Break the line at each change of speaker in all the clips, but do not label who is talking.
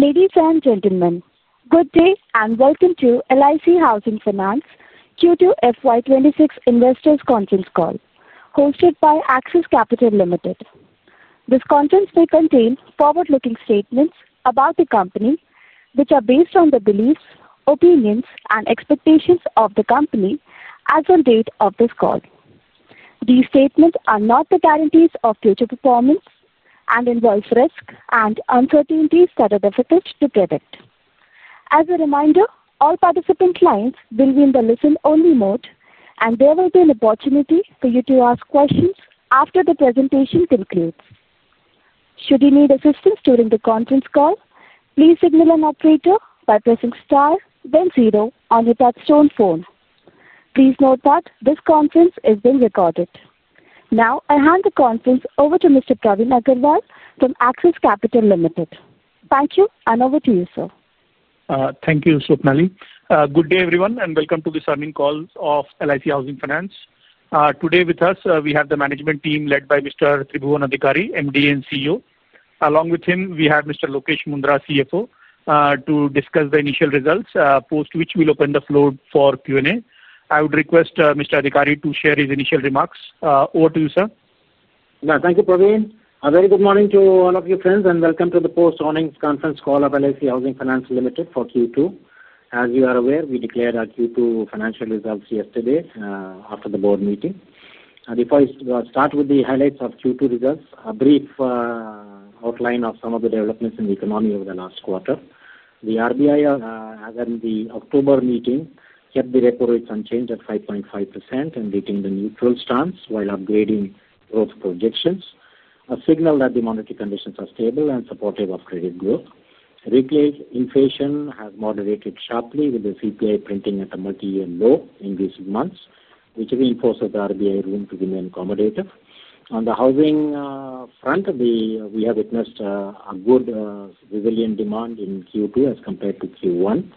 Ladies and Gentlemen, good day and welcome to LIC Housing Finance Q2 FY2026 investors conference call hosted by Axis Capital Limited. This conference may contain forward-looking statements about the company which are based on the beliefs, opinions, and expectations of the company as on date of this call. These statements are not the guarantees of future performance and involve risk and uncertainties that are difficult to predict. As a reminder, all participant lines will be in the listen-only mode, and there will be an opportunity for you to ask questions after the presentation concludes. Should you need assistance during the conference call, please signal an operator by pressing star then zero on your touch-tone phone. Please note that this conference is being recorded now. I hand the conference over to Mr. Praveen Agarwal from Axis Capital Limited. Thank you. And over to you, sir.
Thank you, Sopnali. Good day, everyone, and welcome to this earnings call of LIC Housing Finance. Today with us we have the management team led by Mr. Tribhuwan Adhikari, MD and CEO. Along with him, we have Mr. Lokesh Mundhra, CFO, to discuss the initial results. Post which we will open the floor Q&A. I would request Mr. Adhikari to share his initial remarks. Over to you, sir.
Thank you, Praveen. A very good morning to all of you friends and welcome to the post earnings conference call of LIC Housing Finance Limited for Q2. As you are aware, we declared our Q2 financial results yesterday after the board meeting. Before I start with the highlights of Q2 results, a brief outline of some of the developments in the economy over the last quarter. The RBI, as in the October meeting, kept the repo rates unchanged at 5.5% and retained a neutral stance while upgrading projections, a signal that the monetary conditions are stable and supportive of credit growth. Rate inflation has moderated sharply with the CPI printing at a multi-year low in recent months, which reinforces the RBI room to remain accommodative. On the housing front, we have witnessed a good resilient demand in Q2 as compared to Q1,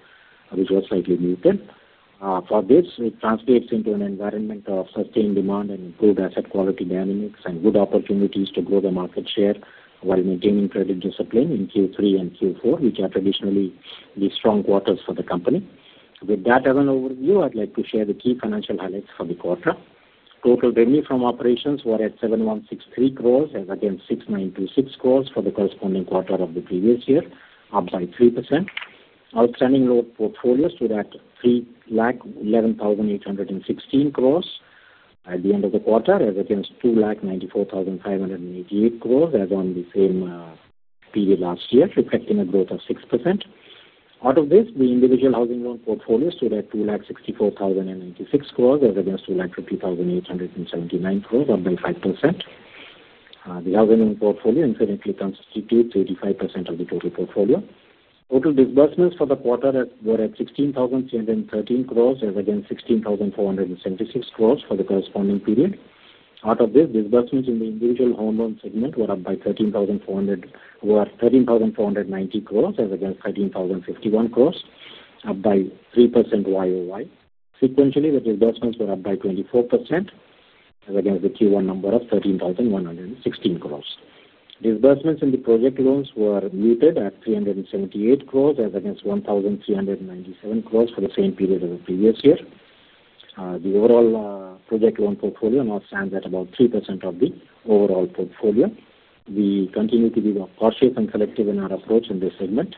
which was slightly muted. For this, it translates into an environment of sustained demand and improved asset quality dynamics and good opportunities to grow the market share while maintaining credit discipline in Q3 and Q4, which are traditionally the strong quarters for the company. With that overview, I'd like to share the key financial highlights for the quarter. Total revenue from operations were at 7,163 crore against 6,926 crore for the corresponding quarter of the previous year, up by 3%. Outstanding loan portfolio stood at 3,11,816 crore at the end of the quarter as against 2,94,588 crore as on the same period last year, reflecting a growth of 6%. Out of this, the individual housing loan portfolio stood at 2,64,096 crore as well as 2,50,879 crore, up by 5%. The housing portfolio incidentally constitutes 85% of the total portfolio. Total disbursements for the quarter were at 16,313 crore as against 16,476 crore for the corresponding period. Out of this, disbursements in the individual home loan segment were up by 13,490 crore as against 13,051 crore, up by 3% YoY. Sequentially, the disbursements were up by 24% as against the Q1 number of 13,116 crore. Disbursements in the project loans were muted at 378 crore as against 1,397 crore for the same period as the previous year. The overall project loan portfolio now stands at about 3% of the overall portfolio. We continue to be cautious and selective in our approach in this segment.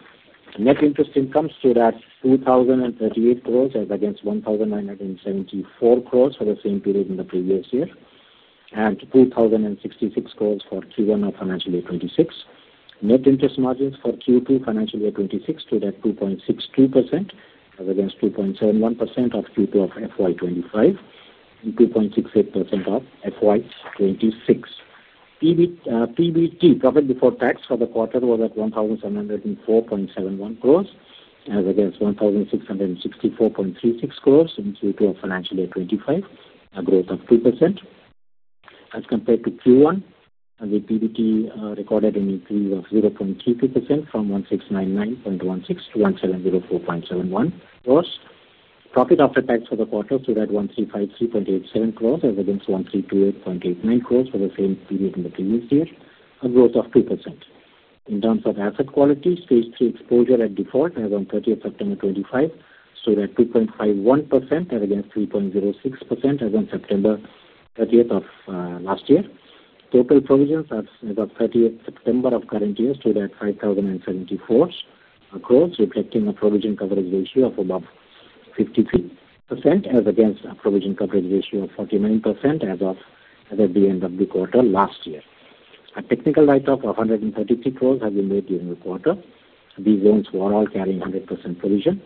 Net interest income stood at 2,038 crore as against 1,974 crore for the same period in the previous year and 2,066 crore for Q1 of financial year 2026. Net interest margins for Q2 financial year 2026 stood at 2.62% as against 2.71% of Q2 of FY2025 and 2.68% of FY2026. PBT profit before tax for the quarter was at 1,704.71 crores as against 1,664.36 crores in Q2 of financial year 2025, a growth of 2% as compared to Q1. The PBT recorded an increase of 0.33% from 1,699.16 to 1,704.71 crores. Profit after tax for the quarter stood at 1,353.87 crores as against 1,338.89 crores for the same period in the previous year, a growth of 2%. In terms of asset quality, Stage 3 exposure at default as on 30th September 2025 stood at 2.51% and again 3.06% as on September 30th of last year. Total provisions as of 30th September of current year stood at 5,074 crores reflecting a provision coverage ratio of above 53% as against a provision coverage ratio of 49% as of the end of the quarter last year. A technical write-off of 133 crores has been made during the quarter. These loans were all carrying 100% provision.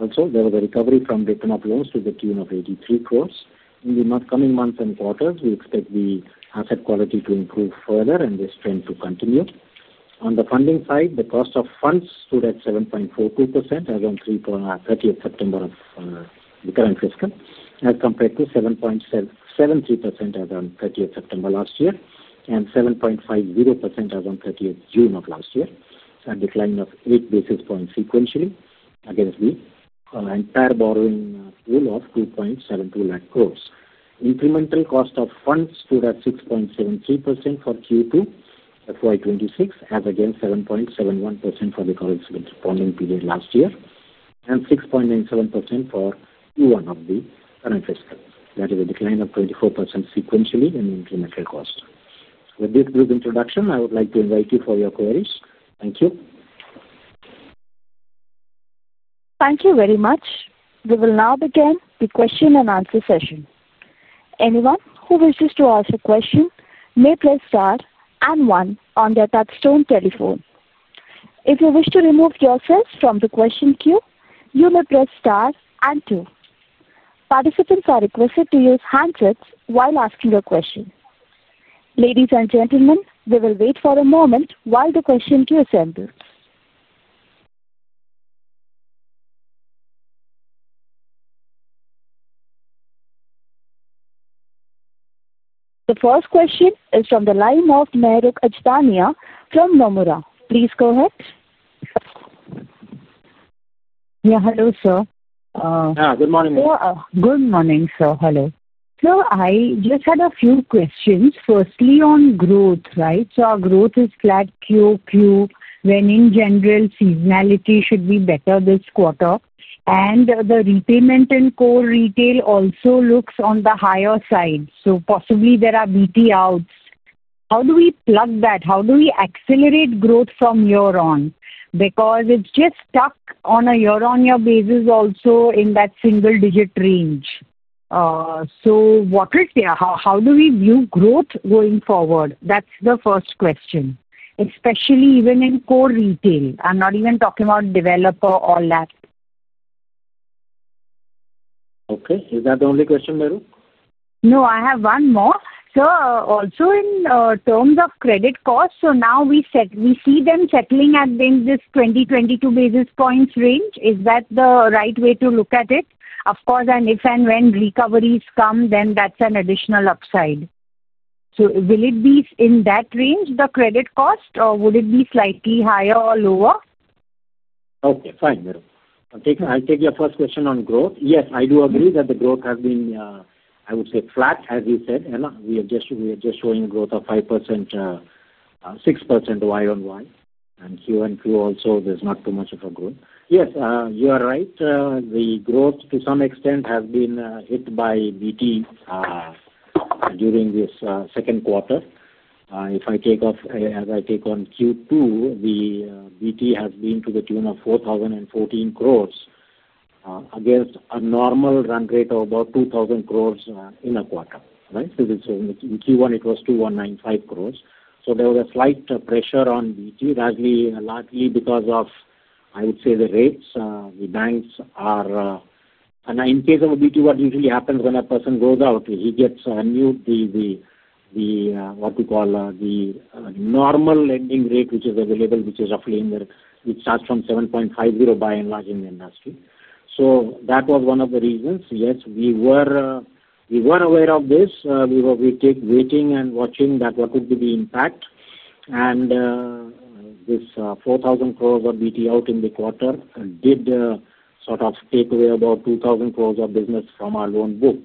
Also, there was a recovery from written-up loans to the tune of 83 crores. In the coming months and quarters, we expect the asset quality to improve further and this trend to continue. On the funding side, the cost of funds stood at 7.42% as on 30th September of the current fiscal as compared to 7.73% as on 30th September last year and 7.50% as on 30th June of last year, a decline of 8 basis points sequentially against the entire borrowing pool of 2.72 lakh crores. Incremental cost of funds stood at 6.73% for Q2 FY 2026 as against 7.71% for the corresponding period last year and 6.97% for Q1 of the current fiscal, i.e., a decline of 24 basis points sequentially in incremental cost. With this brief introduction, I would like to invite you for your queries. Thank you.
Thank you very much. We will now begin the question-and-answer session. Anyone who wishes to ask a question may press star and one on their touchtone telephone. If you wish to remove yourself from the question queue, you may press star and two. Participants are requested to use handsets while asking a question. Ladies and gentlemen, we will wait for a moment while the question queue assembles. The first question is from the line of Mahrukh Adajania from Nomura. Please go ahead.
Yeah. Hello sir.
Good morning.
Good morning, sir. Hello. I just had a few questions. Firstly, on growth, right? Our growth is flat QoQ when in general seasonality should be better this quarter. The repayment in core retail also looks on the higher side. Possibly, maybe there are BT outs. How do we plug that? How do we accelerate growth from here on? It's just stuck on a year-on-year basis also in that single-digit range. What is there? How do we view growth going forward? That's the first question, especially even in core retail. I'm not even talking about developer or loans against property.
Okay, is that the only question, Mahrukh?
No, I have one more, sir, in terms of credit costs, we said we see them settling at this 20-22 basis points range, is that the right way to look at it? Of course, if and when recoveries come, that's an additional upside. Will it be in that range, the credit cost, or would it be slightly higher or lower?
Okay, fine. I'll take your first question on growth. Yes, I do agree that the growth has been, I would say, flat. As you said, we are just showing growth of 5%, 6% year-on-year and quarter-on-quarter also there's not too much of a growth. Yes, you are right. The growth to some extent has been hit by BT during this second quarter. If I take Q2, the BT have been to the tune of 4,014 crore against a normal run rate of about 2,000 crore in a quarter. In Q1 it was 2,195 crore. There was a slight pressure on BT largely because of, I would say, the rates the banks are. In case of a balance transfer, what usually happens when a person goes out, he gets the new, what we call the normal lending rate which is available, which is roughly, which starts from 7.50% by and large in the industry. That was one of the reasons. Yes, we were aware of this. We were waiting and watching what would be the impact. This 4,000 crore of BT out in the quarter did sort of take away about 2,000 crore of business from our loan book.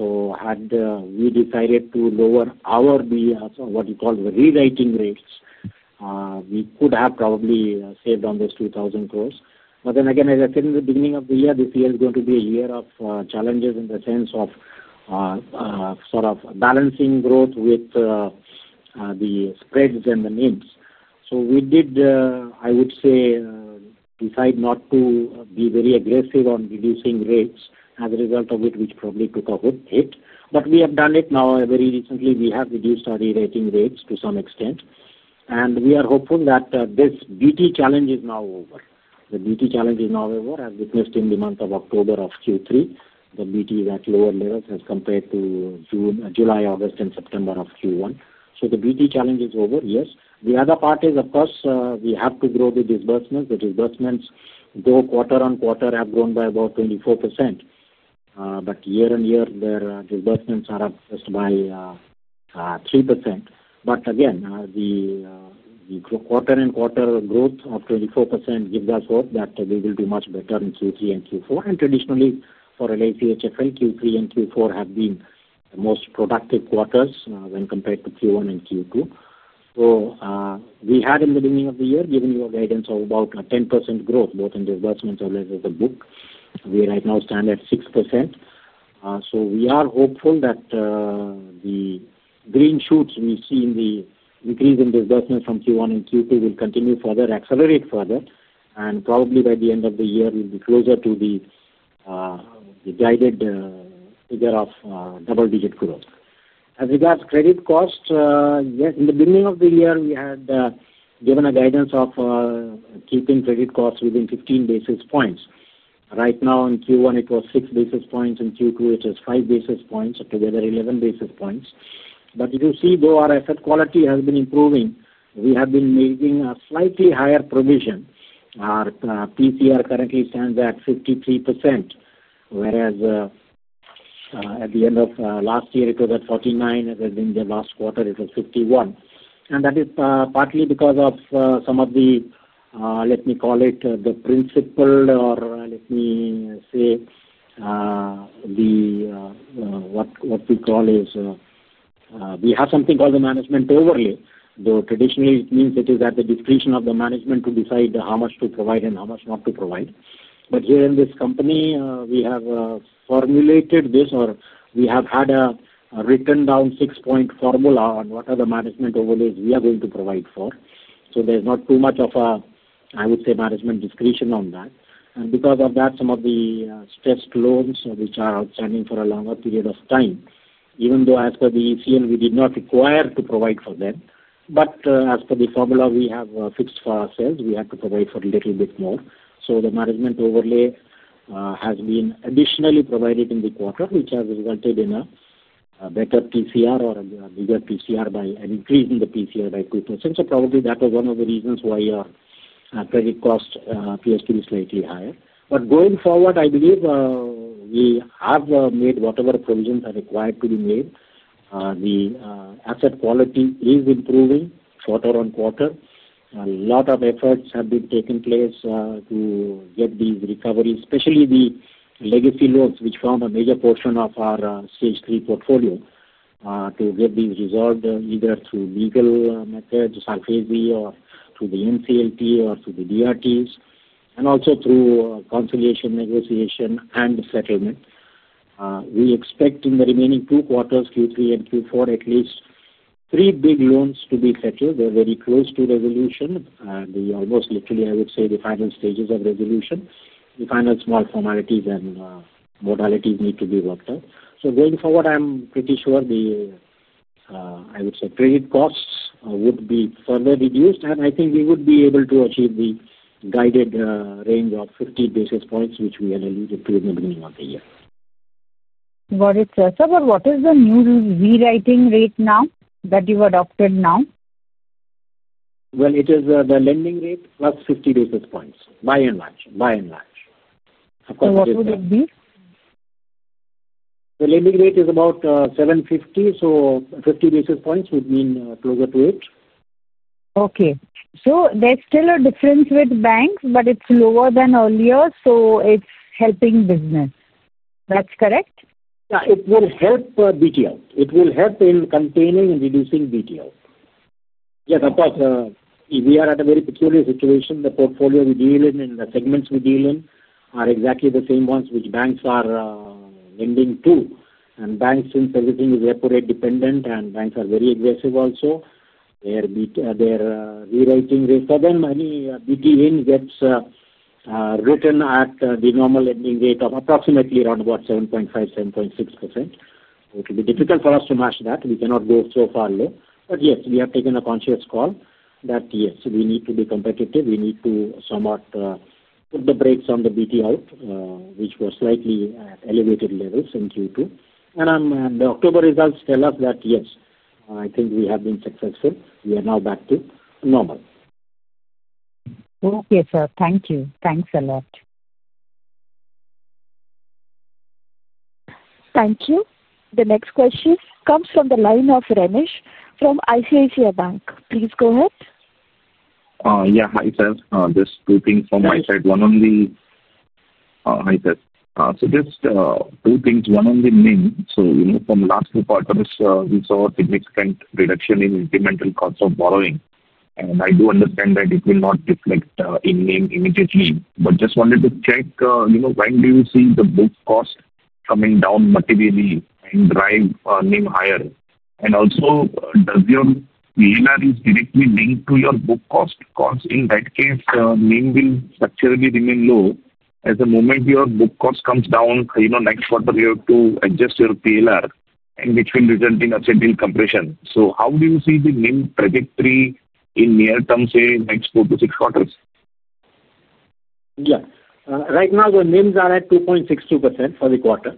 Had we decided to lower our, what we call, rewriting rates, we could have probably saved on those 2,000 crore. As I said in the beginning of the year, this year is going to be a year of challenges in the sense of balancing growth with the spreads and the net interest margins. We did decide not to be very aggressive on reducing rates as a result of it, which probably took a good hit. We have done it now very recently. We have reduced our rewriting rates to some extent and we are hopeful that this balance transfer challenge is now over. The balance transfer challenge is now over. As witnessed in the month of October of Q3, the BT are at lower levels as compared to June, July, August, and September of Q1. The balance transfer challenge is over. Yes. The other part is, of course, we have to grow the disbursements. The disbursements quarter-on-quarter have grown by about 24%. Year-on-year the disbursements are up just by 3%. The quarter-on-quarter growth of 24% gives us hope that we will do much better in Q3 and Q4. Traditionally for LIC HFL, Q3 and Q4 have been the most productive quarters when compared to Q1 and Q2. We had in the beginning of the year given you a guidance of about 10% growth, both in disbursements as well as the book. We right now stand at 6%. We are hopeful that the green shoots we see in the increase in divestment from Q1 and Q2 will continue further, accelerate further, and probably by the end of the year we'll be closer to the guided figure of double-digit growth. As regards credit cost, in the beginning of the year we had given a guidance of keeping credit costs within 15 basis points. Right now in Q1 it was 6 basis points. In Q2 it was 5 basis points. Together, 11 basis points. If you see, though our asset quality has been improving, we have been making a slightly higher provision. Our provision coverage ratio currently stands at 53% whereas at the end of last year it was at 49%. In the last quarter it was 51%. That is partly because of some of the, let me call it the principle or let me say the, what we call is, we have something called the management overlay. Traditionally it means it is at the discretion of the management to decide how much to provide and how much not to provide. Here in this company we have formulated this, or we have had a written down six-point formula on what are the management overlays we are going to provide for. There is not too much of, I would say, management discretion on that. Because of that, some of the stressed loans which are outstanding for a longer period of time, even though as per the ECL we did not require to provide for them, as per the formula we have fixed for ourselves, we have to provide for a little bit more. The management overlay has been additionally provided in the quarter, which has resulted in a better provision coverage ratio or bigger provision coverage ratio by an increase in the provision coverage ratio by 2%. That was one of the reasons why our credit cost appears to be slightly higher. Going forward, I believe we have made whatever provisions are required to be made. The asset quality is improving quarter-on-quarter. A lot of efforts have been taking place to get these recoveries, especially the legacy loans which form a major portion of our Stage 3 portfolio, to get these resolved either through legal methods or through the NCLT or through the DRTs and also through conciliation, negotiation, and settlement. We expect in the remaining two quarters, Q3 and Q4, at least three big loans to be settled. They're very close to resolution, almost literally I would say the final stages of resolution, the final small formalities and modalities need to be worked out. Going forward, I'm pretty sure the I would say credit costs would be further reduced, and I think we would be able to achieve the guided range of 50 bps, which we had alluded to in the beginning of the year.
What is the new rewriting rate now that you adopted now?
It is the lending rate plus 50 basis points by and large. By and large, the lending rate is about 750 so 50 basis points would mean closer to it.
Okay, there's still a difference with banks, but it's lower than earlier. It's helping business. That's correct?
It will help BT out. It will help in containing and reducing BT out. Yes, of course we are at a very peculiar situation. The portfolio we deal in and the segments we deal in are exactly the same ones which banks are lending to. Since everything is repo rate dependent and banks are very aggressive, also they are rewriting for them. Any BT in gets written at the normal lending rate of approximately around 7.5%-7.6%. It will be difficult for us to match that. We cannot go so far low. Yes, we have taken a conscious call that we need to be competitive. We need to somewhat put the brakes on the BT out which were at slightly elevated levels in Q2, and the October results tell us that we have been successful. We are now back to normal.
Okay, sir. Thank you. Thanks a lot.
Thank you. The next question comes from the line of Renish from ICICI Bank. Please go ahead.
Yeah, hi sir, just two things from my side. One, on the main. From last two quarters, we saw a significant reduction in incremental cost of funds and I do understand that it will not reflect in NIM immediately, but just wanted to check, when do you see the book cost coming down materially and drive NIM higher, and also does your ENR directly link to your book cost? In that case, NIM will structurally remain low as the moment your book cost comes down, next quarter you have to adjust your PLR, which will result in a certain compression. How do you see the NIM trajectory in near term, say next four to six quarters?
Yeah, right now the NIMs are at 2.62% for the quarter.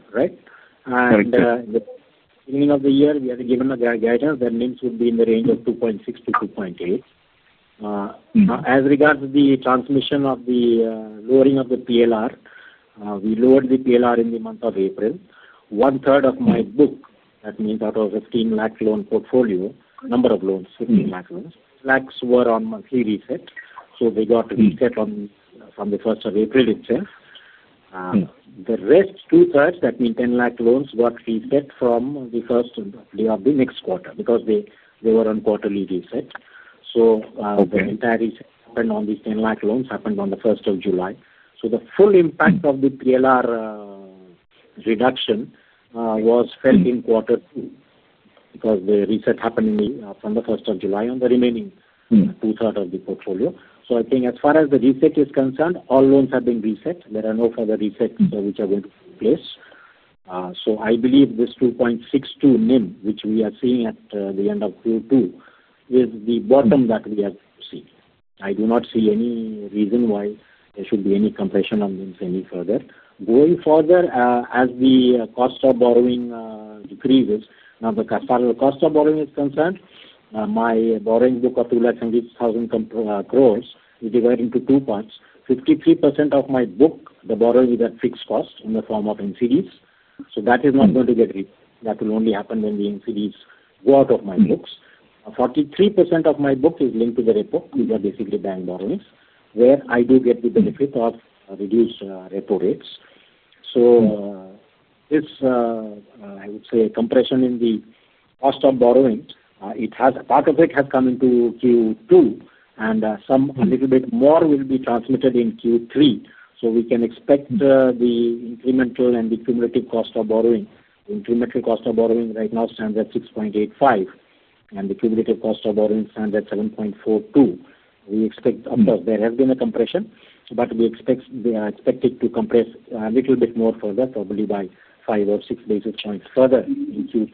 Right. Beginning of the year we have given the guidance that NIMs would be in the range of 2.6%-2.8%. As regards the transmission of the lowering of the PLR, we lowered the PLR in the month of April, 1/3 of my book. That means out of 15 lakh loan portfolio, number of loans lakhs were on monthly reset. They got reset from the 1st of April itself. The rest 2/3, that means 10 lakh loans, got reset from the first day of the next quarter because they were on quarterly reset. The entire 10 lakh loans happened on the 1st of July. The full impact of the PLR reduction was felt in quarter two because the reset happened from the 1st of July on the remaining 2/3 of the portfolio. I think as far as the reset is concerned, all loans have been reset. There are no further resets which are going to take place. I believe this 2.62% NIM which we are seeing at the end of Q2 is the bottom that we have seen. I do not see any reason why there should be any compression on NIMs any further going further as the cost of borrowing decreases. Now, the cost of borrowing is concerned. My borrowing book of 2,70,000 crores is divided into two parts. 53% of my book, the borrowing is at fixed cost in the form of NCDs. That is not going to get replaced. That will only happen when the NCDs go out of my books. 43% of my book is linked to the repo, which are basically bank borrowings where I do get the benefit of reduced repo rates. I would say compression in the cost of borrowing, part of it has come into Q2 and a little bit more will be transmitted in Q3. We can expect the incremental and the cumulative cost of borrowing. Incremental cost of borrowing right now stands at 6.85% and the cumulative cost of borrowing stands at 7.42%. We expect, of course there has been a compression, but we expect it to compress a little bit more further, probably by five or six basis points further in Q3.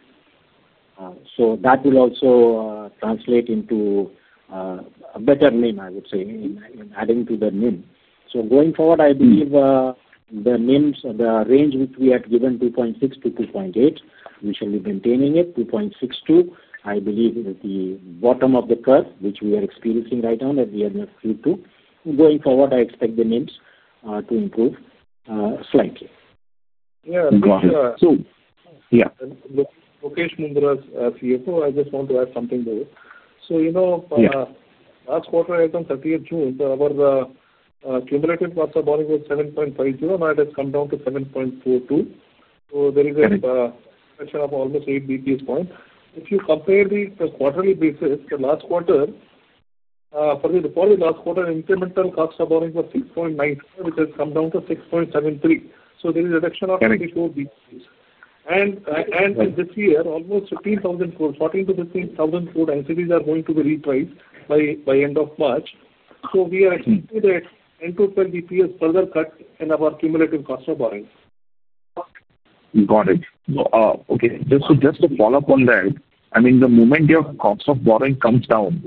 That will also translate into a better NIM, I would say, adding to the NIM. Going forward, I believe the NIMs, the range which we had given 2.6%-2.8%, we shall be maintaining it. 2.62%, I believe, is the bottom of the curve which we are experiencing right now. Going forward, I expect the NIMs to improve slightly.
Yeah, yeah. Lokesh Mundhra, CFO, I just want to add something to you. Last quarter on 30 June, our cumulative cost of borrowing was 7.50%. Now it has come down to 7.42%. There is a question of almost 8 bps point if you compare on a quarterly basis, the last quarter. For the last quarter, incremental cost of borrowing was 6.9% which has come down to 6.73%. There is a reduction of 24 bps and this year almost 15,000 crore, 14,000 crore to 15,000 crore, NCDs are going to be repriced by end of March. We are end to 12 GP is further cut in our cumulative cost of borrowing.
Got it. Okay, just. Just to follow up on that. I mean the moment your cost of borrowing comes down,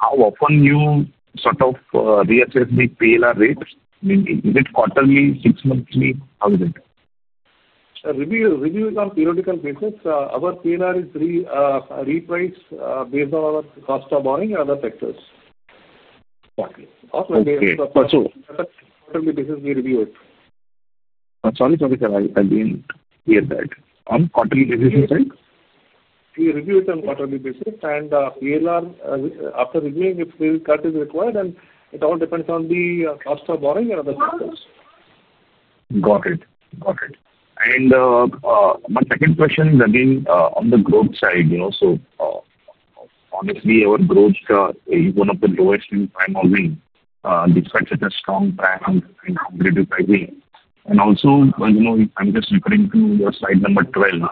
how often you sort of reassess the PLR rate? Is it quarterly, 6 monthly? How is it?
Reviewed on a periodical basis? Our PLR is repriced based on our cost of borrowing and other factors. We review it on a quarterly basis, and PLR after reviewing if the cut is required. It all depends on the cost of borrowing and other factors.
Got it. Got it. My second question is again on the growth side. Honestly, our growth is one of the lowest in prime green despite such a strong brand and competitive pricing. I'm just referring to your slide number 12,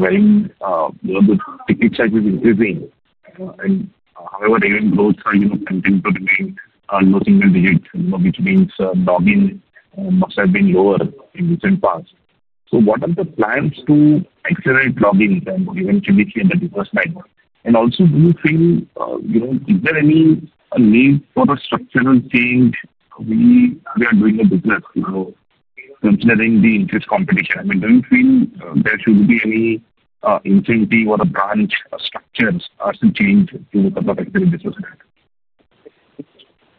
wherein the ticket size is increasing; however, even growth continues, which means logging must have been lower in the recent past. What are the plans to accelerate logging eventually in the deferred? Also, do you feel there is any need for a structural change? We are doing business considering the interest competition. Do you feel there should be any incentive or a branch structure as to change in the product?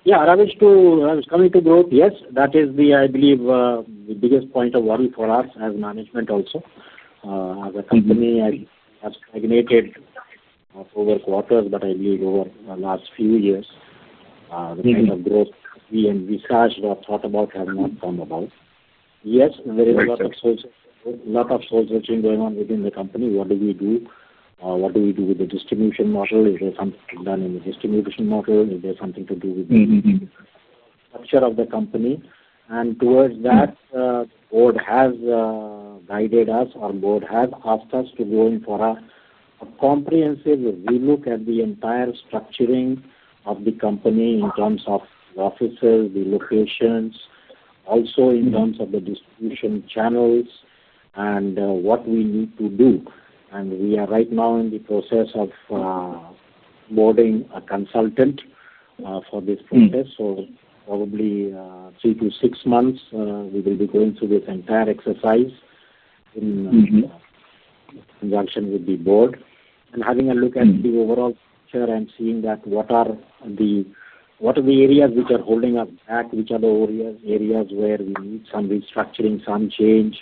Yeah, Renish, coming to growth. Yes, that is I believe the biggest point of worry for us as management. Also, as a company, I have stagnated over quarters, but I believe over the last few years the kind of growth we envisaged or thought about have not come about. Yes, there is a lot of soul searching going on within the company. What do we do? What do we do with the distribution model? Is there something done in the distribution model? Is there something to do with the structure of the company, and towards that, the Board has guided us or the Board has asked us to go in for a comprehensive look at the entire structuring of the company in terms of offices, the locations, also in terms of the distribution channels and what we need to do. We are right now in the process of boarding a consultant for this process. Probably three to six months we will be going through this entire exercise in conjunction with the Board and having a look at the overall here and seeing what are the areas which are holding us back, which are the areas where we need some restructuring, some change,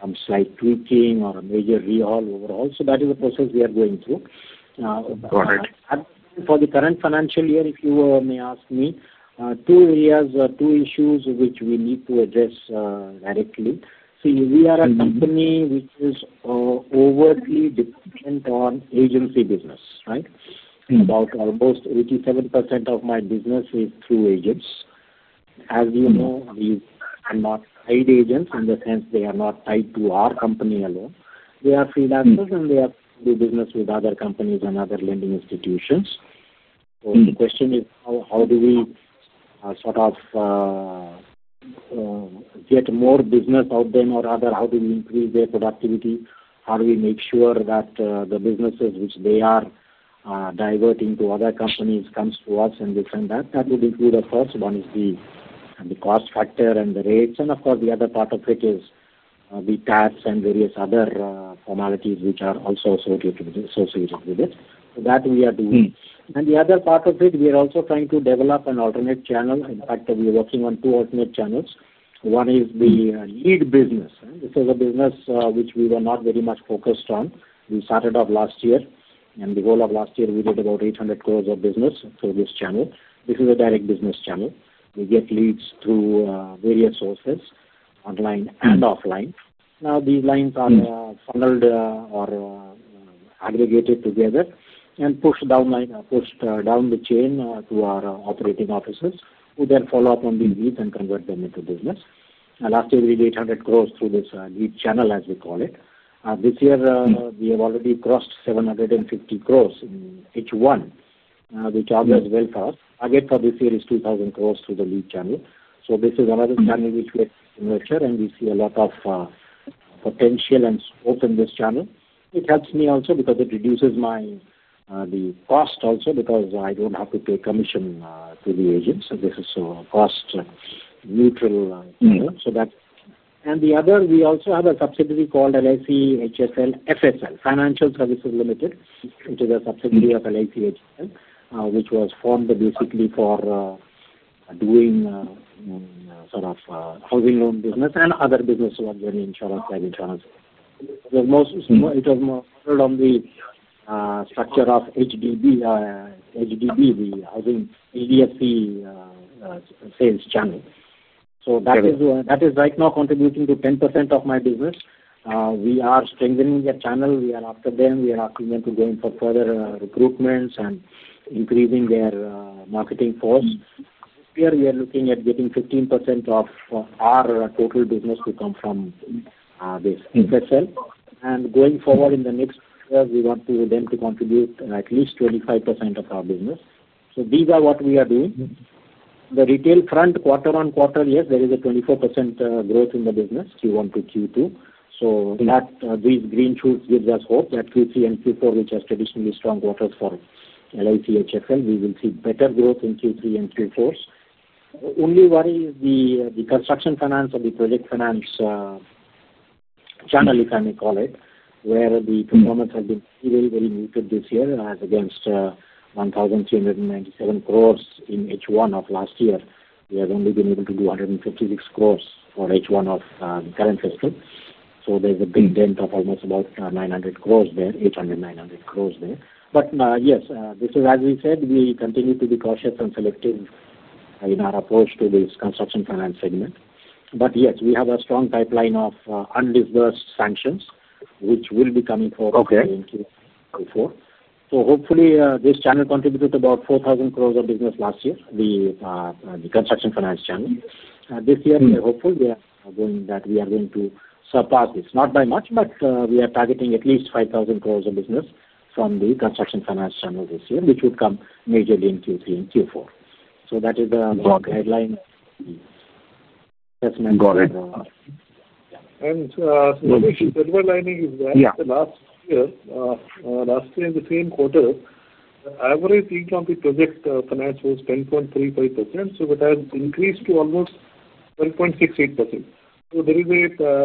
some slight tweaking or a major rehaul overall. That is a process we are going through for the current financial year. If you may ask me, two areas, two issues which we need to address directly. See, we are a company which is overly dependent on agency business, right? About almost 87% of my business is through agents, as you know, agents in the company. Hence, they are not tied to our company alone. They are freelancers and they do business with other companies and other lending institutions. The question is how do we sort of get more business out there, how do we increase their productivity, how do we make sure that the businesses which they are diverting to other companies comes to us? That would include a further one is the cost factor and the rates. Of course, the other part of it is the tax and various other formalities which are also associated with it that we are doing. The other part of it, we are also trying to develop an alternate channel. In fact, we are working on two alternate channels. One is the lead business. This is a business which we were not very much focused on. We started off last year and the whole of last year we did about 800 crores of business through this channel. This is a direct business channel. We get leads through various sources, online and offline. Now these lines are funneled or aggregated together and pushed down the chain to our operating offices who then follow up on these leads and convert them into business. Last year we did 800 crore through this channel as we call this year. We have already crossed 750 crore in H1 which augurs well for us. Target for this year is 2,000 crore through the lead channel. This is another channel which we see a lot of potential and scope in. It helps me also because it reduces my cost also because I don't have to pay commission to the agents. This is so cost-neutral. The other, we also have a subsidiary called LIC FSL (Financial Services Limited) which is a subsidiary of LIC HFL which was formed basically for doing sort of housing loan business and other business was an insurance. It was on the structure of HDB, HDB which housing HDFC sales channel. That is right now contributing to 10% of my business. We are strengthening the channel. We are after them. We are asking them to go in for further recruitments and increasing their marketing force. Here we are looking at getting 15% of our total business to come from this FSL and going forward in the next, we want them to contribute at least 25% of our business. These are what we are doing, the retail front, quarter-on-quarter. Yes, there is a 24% growth in the business Q1 to Q2 so that these green shoots gives us hope that Q3 and Q4, which are traditionally strong quarters for LIC HFL, we will see better growth in Q3 and Q4. Only worry is the construction finance and the project finance channel, if I may call it, where the performance has been very, very muted this year. As against 1,397 crore in H1 of last year, we have only been able to do 156 crore for H1 of the current fiscal. There is a big dent of almost about 900 crore there, 800, 900 crore there. Yes, as we said, we continue to be cautious and selective in our upcoming approach to this construction finance segment. We have a strong pipeline of undisbursed sanctions which will be coming forward. Hopefully this channel contributed about 4,000 crore of business last year. The construction finance channel this year we are hopeful that we are going to surpass this not by much, but we are targeting at least 5,000 crore of business from the construction finance channel this year which would come majorly in Q3 and Q4. That is the headline.
The silver lining is that last year in the same quarter, average yield on the project finance was 10.35%. It has increased to almost 1.68%. There is a.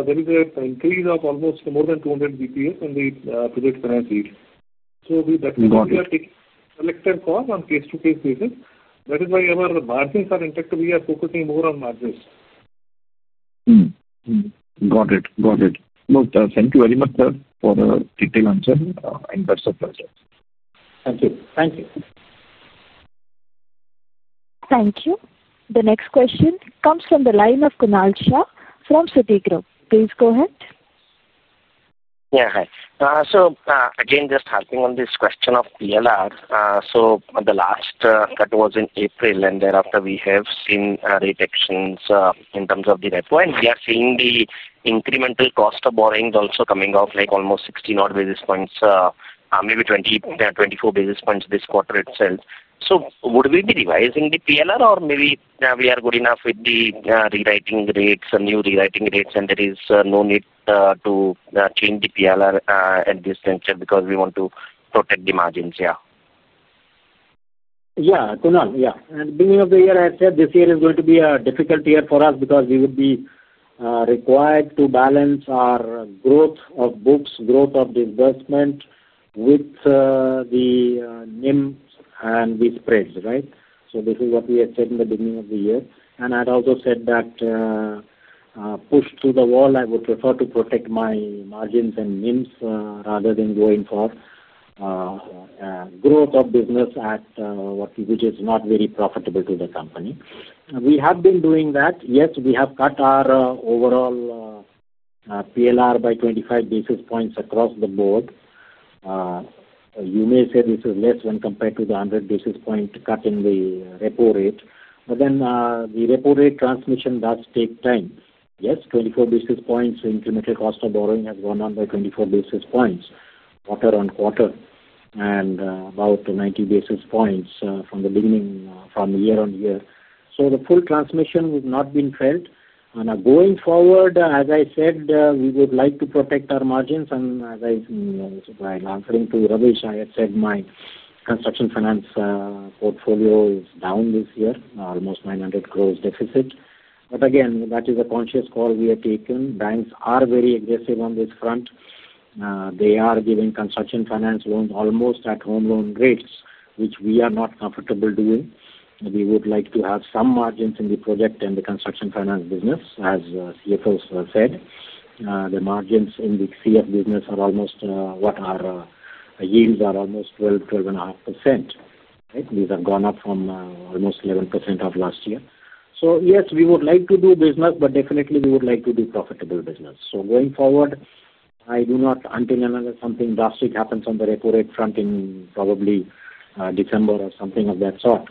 There is an increase of almost more than 200 bps in the project finance. So on a case to case basis, that is why our margins are intact. We are focusing more on margins.
Got it, got it. Thank you very much, sir, for a detailed answer.
Thank you. Thank you.
Thank you. The next question comes from the line of Kunal Shah from Citigroup. Please go ahead.
Yeah, hi. Just helping on this question of PLR. The last cut was in April, and thereafter we have seen reductions in terms of the repo, and we are seeing the incremental cost of borrowings also coming off like almost 60 basis points, maybe 20, 24 basis points this quarter itself. Would we be revising the PLR, or maybe now we are good enough with the rewriting rates and new rewriting rates, and there is no need to change the PLR at this center because. We want to protect the margins. Yeah.
Yeah, Kunal. At the beginning of the year I said this year is going to be a difficult year for us because we would be required to balance our growth of books, growth of disbursement with the NIMs and the spreads. Right. This is what we had said in the beginning of the year and I'd also said that push through the wall. I would prefer to protect my margins and NIMs rather than going for growth of business at which is not very profitable to the company. We have been doing that. Yes, we have cut our overall PLR by 25 basis points across the board. You may say this is less when compared to the 100 basis point cut in the repo rate. However, the repo rate transmission does take time. Yes, 24 basis points. Incremental cost of borrowing has gone down by 24 basis points quarter-on-quarter and about 90 basis points from the beginning, from year-on-year. The full transmission has not been felt. Now going forward, as I said, we would like to protect our margins. While answering to Renish, I said my construction finance portfolio is down this year, almost 900 crore deficit. That is a conscious call we have taken. Banks are very aggressive on this front. They are giving construction finance loans almost at home loan rates, which we are not comfortable doing. We would like to have some margins in the project and the construction finance business. As CFO said, the margins in the construction finance business are almost what our yields are, almost 12%-12.5%. These have gone up from almost 11% of last year. Yes, we would like to do business, but definitely we would like to do profitable business. Going forward, I do not, until and unless something drastic happens on the repo rate front in probably December or something of that sort,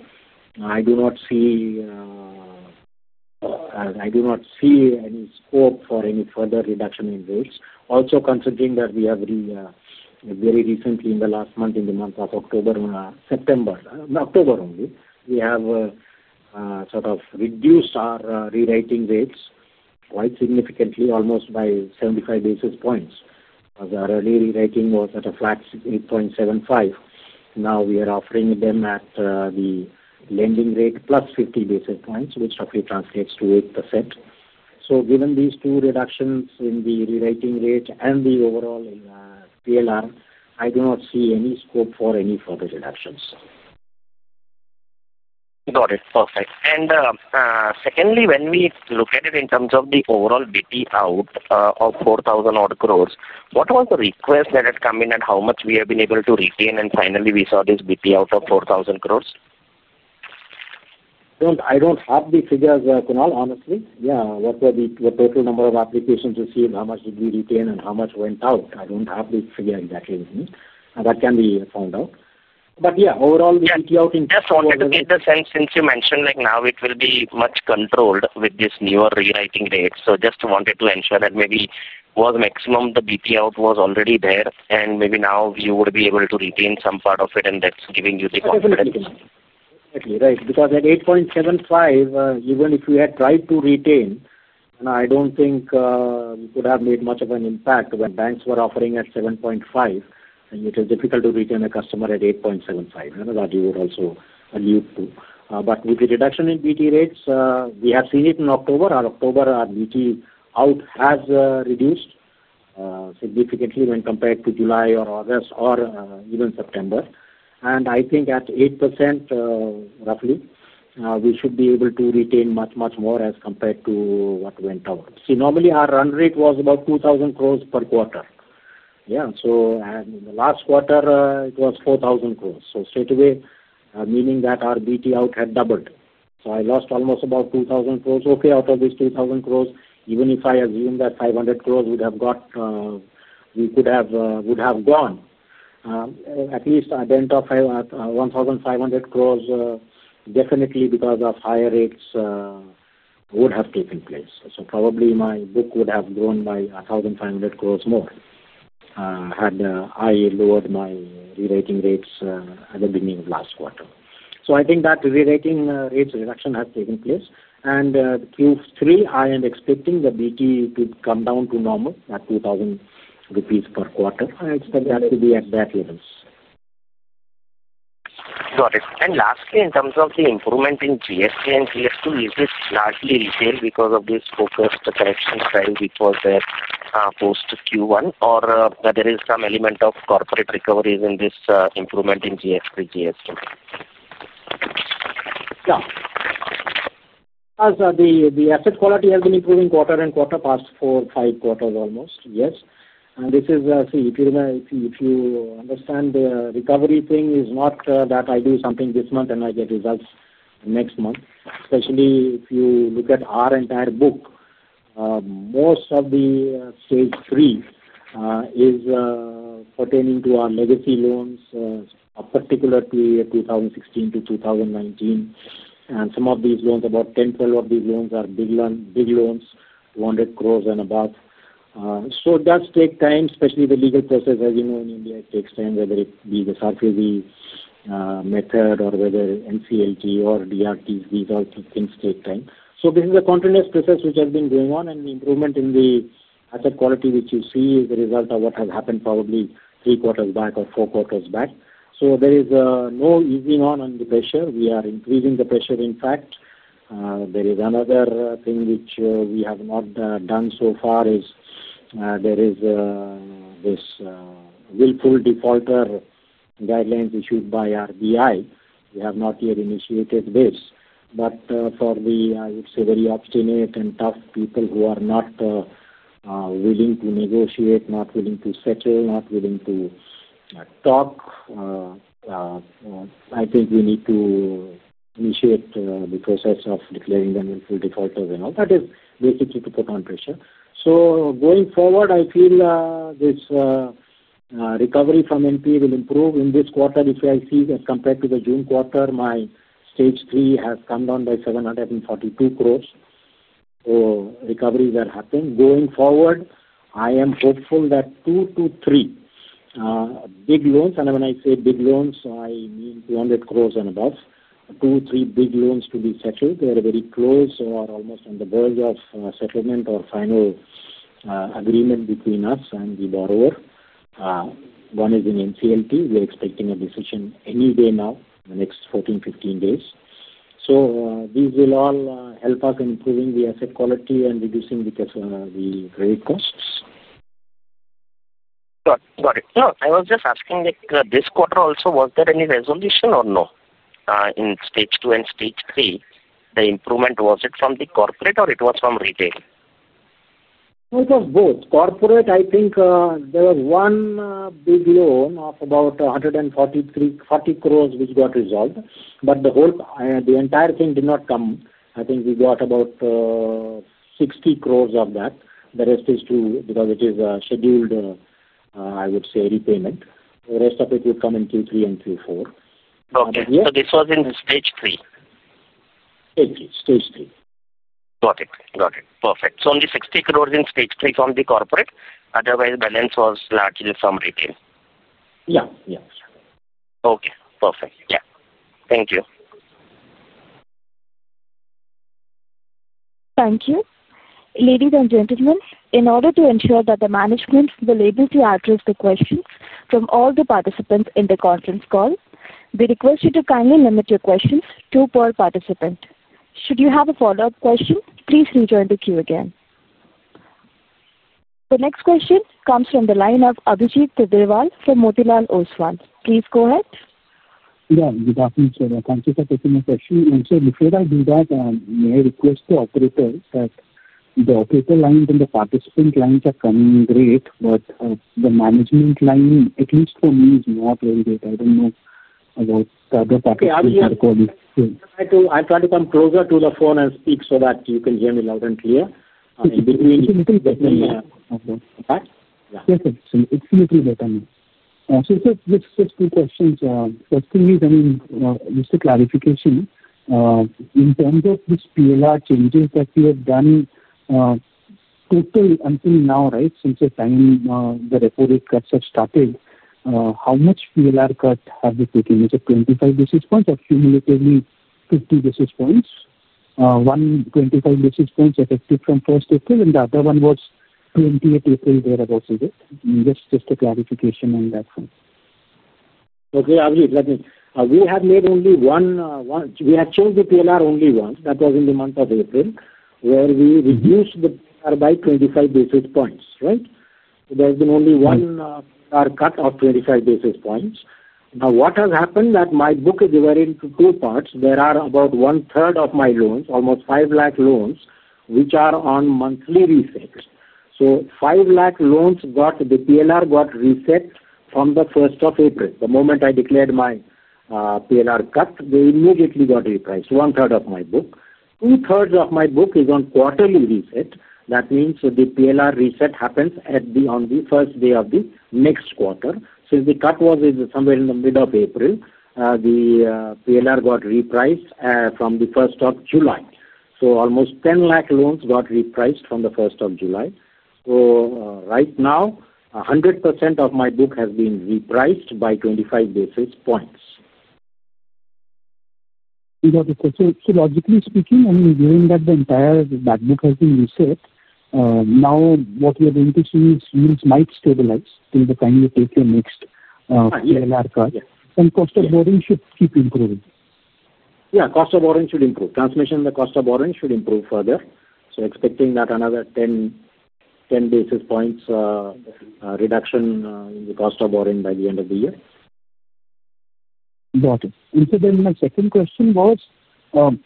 I do not see any scope for any further reduction in rates. Also considering that we have very recently, in the last month, in the month of October. September, October only, we have sort of reduced our rewriting rates quite significantly, almost by 75 basis points. Our early rewriting was at a flat 8.75%. Now we are offering them at the lending rate plus 50 basis points which roughly translates to 8%. Given these two reductions in the rewriting rate and the overall PLR, I do not see any scope for any further reductions.
Got it. Perfect. Secondly, when we look at it in terms of the overall BT out of 4,000 odd crores, what was the request that had come in and how much we have been able to retain. Finally, we saw this BT out of 4,000 crore.
I don't have the figures, Kunal. Honestly, what were the total number of applications received? How much did we retain and how much went out? I don't have the figure exactly. That can be found out. Overall, just wanted to get.
The sense, since you mentioned like now it will be much controlled with this newer rewriting dates, just wanted to ensure that maybe was maximum, the BT out was already there, and maybe now you would be able to retain some part of it. That's giving you the confidence.
Right. Because at 8.75% even if we had tried to retain, I don't think we could have made much of an impact when banks were offering at 7.5%. It is difficult to retain a customer at 8.75% that you would also allude to. With the reduction in BT rates, we have seen in October our BT out has reduced significantly when compared to July or August or even September. I think at 8% roughly we should be able to retain much, much more as compared to what went out. Normally, our run rate was about 2,000 crore per quarter, and in the last quarter it was 4,000 crore, straight away, meaning that our BT out had doubled. I lost almost about 2,000 crore. Out of this 2,000 crores, even if I assume that 500 crores would have gone, we could have gone at least at the end of 1,500 crores. Definitely, because of higher rates, this would have taken place. Probably my book would have grown by 1,500 crores more had I lowered my RE rating rates at the beginning of last quarter. I think that RE rating rates reduction has taken place. In Q3, I am expecting the BT out to come down to normal at 2,000 rupees per quarter. I expect that to be at that level.
Got it. Lastly, in terms of the improvement in GS3 and GST, is it largely retail because of this focused direction which was there post Q1, or is there some element of corporate recoveries in this improvement in GS3, GST?
The asset quality has been improving quarter-on-quarter past four, five quarters almost. Yes. This is if you understand the recovery thing is not that I do something this month and I get results next month. Especially if you look at our entire book, most of the Stage 3 is pertaining to our legacy loans, particularly 2016 to 2019, and some of these loans, about 10, 12 of these loans are big loans, 200 crore and above. It does take time, especially the legal process. As you know, in India it takes time. Whether it be the SARFAESI method or whether NCLT or DRT, these things take time. This is a continuous process which has been going on, and the improvement in the asset quality which you see is the result of what has happened probably 3/4 back or 4/4 back. There is no easing on the pressure. We are increasing the pressure. In fact, there is another thing which we have not done so far. There are these willful defaulter guidelines issued by RBI. We have not yet initiated this, but for the, I would say, very obstinate and tough people who are not willing to negotiate, not willing to settle, not willing to talk, I think we need to initiate the process of declaring them willful defaulters, and all that is basically to put on pressure. Going forward, I feel this recovery from NPA will improve in this quarter. If I see as compared to the June quarter, my Stage 3 has come down by 742 crore. Recoveries are happening going forward. I am hopeful that two to three big loans, and when I say big loans, I mean 200 crore and above, two, three big loans to be settled. They are very close or almost on the verge of settlement or final agreement between us and the borrower. One is in NCLT. We're expecting a decision anyway now in the next 14, 15 days. These will all help us improving the asset quality and reducing the credit costs.
Got it? No, I was just asking this quarter also, was there any resolution or no? In Stage 2 and Stage 3, the improvement was it from the corporate or it was from retail?
It was both corporate. I think there was one big loan of about 140 crore which got resolved, but the entire thing did not come. I think we got about 60 crore of that. The rest is true because it is scheduled repayment. The rest of it would come in Q3 and Q4.
Okay, this was in the Stage 3?
Stage three.
Got it, got it. Perfect. Only 60 crore in Stage 3 from the corporate, otherwise the balance was largely from retail.
Yeah, yeah.
Okay, perfect. Yeah, thank you.
Thank you. Ladies and gentlemen, in order to ensure that the management will be able to address the questions from all the participants in the conference, we request you to kindly limit your questions to one per participant. Should you have a follow up question, please rejoin the queue again. The next question comes from the line of Abhijit Tibrewal from Motilal Oswal. Please go ahead.
Good afternoon, sir. Thank you for taking the question. Before I do that, may I request the operators that the operator lines and the participant lines are from coming great. The management line, at least for me, is not very. I don't know about that.
I try to come closer to the phone and speak so that you can hear me loud and clear.
Two questions. First thing is, I mean just a clarification in terms of this PLR changes that we have done total until now, right? Since the time the reported cuts have started, how much PLR cut have we taken? Is it 25 basis points or cumulatively 50 basis points? One 25 basis points effective from 1 April and the other one was 20 April? Thereabouts. Just a clarification on that.
Okay, let me. We have made only one. We had changed the PLR only once. That was in the month of April. Where we reduced it by 25 basis points, right? There's been only one cut of 25 basis points. Now what has happened is that my book is divided into two parts. There are about 1/3 of my loans, almost 500,000 loans, which are on monthly resales. So 500,000 loans got the PLR reset from the 1st of April. The moment I declared my PLR cut, they immediately got repriced. 1/3 of my book, 2/3 of my book is on quarterly reset. That means the PLR reset happens on the first day of the next quarter. Since the cut was somewhere in the middle of April, the PLR got repriced from 1st July. Almost 1,000,000 loans got repriced from 1st July. Right now, 100% of my book has been repriced by 25 basis points.
Logically speaking, the entire back book has been reset. What we are going to see is yields might stabilize till the time you take your next.
Yeah, cost of funds should improve transmission. The cost of borrowing should improve further. Expecting that another 10 to 10 basis points reduction in the cost of borrowing by the end of the year.
Got it. My second question was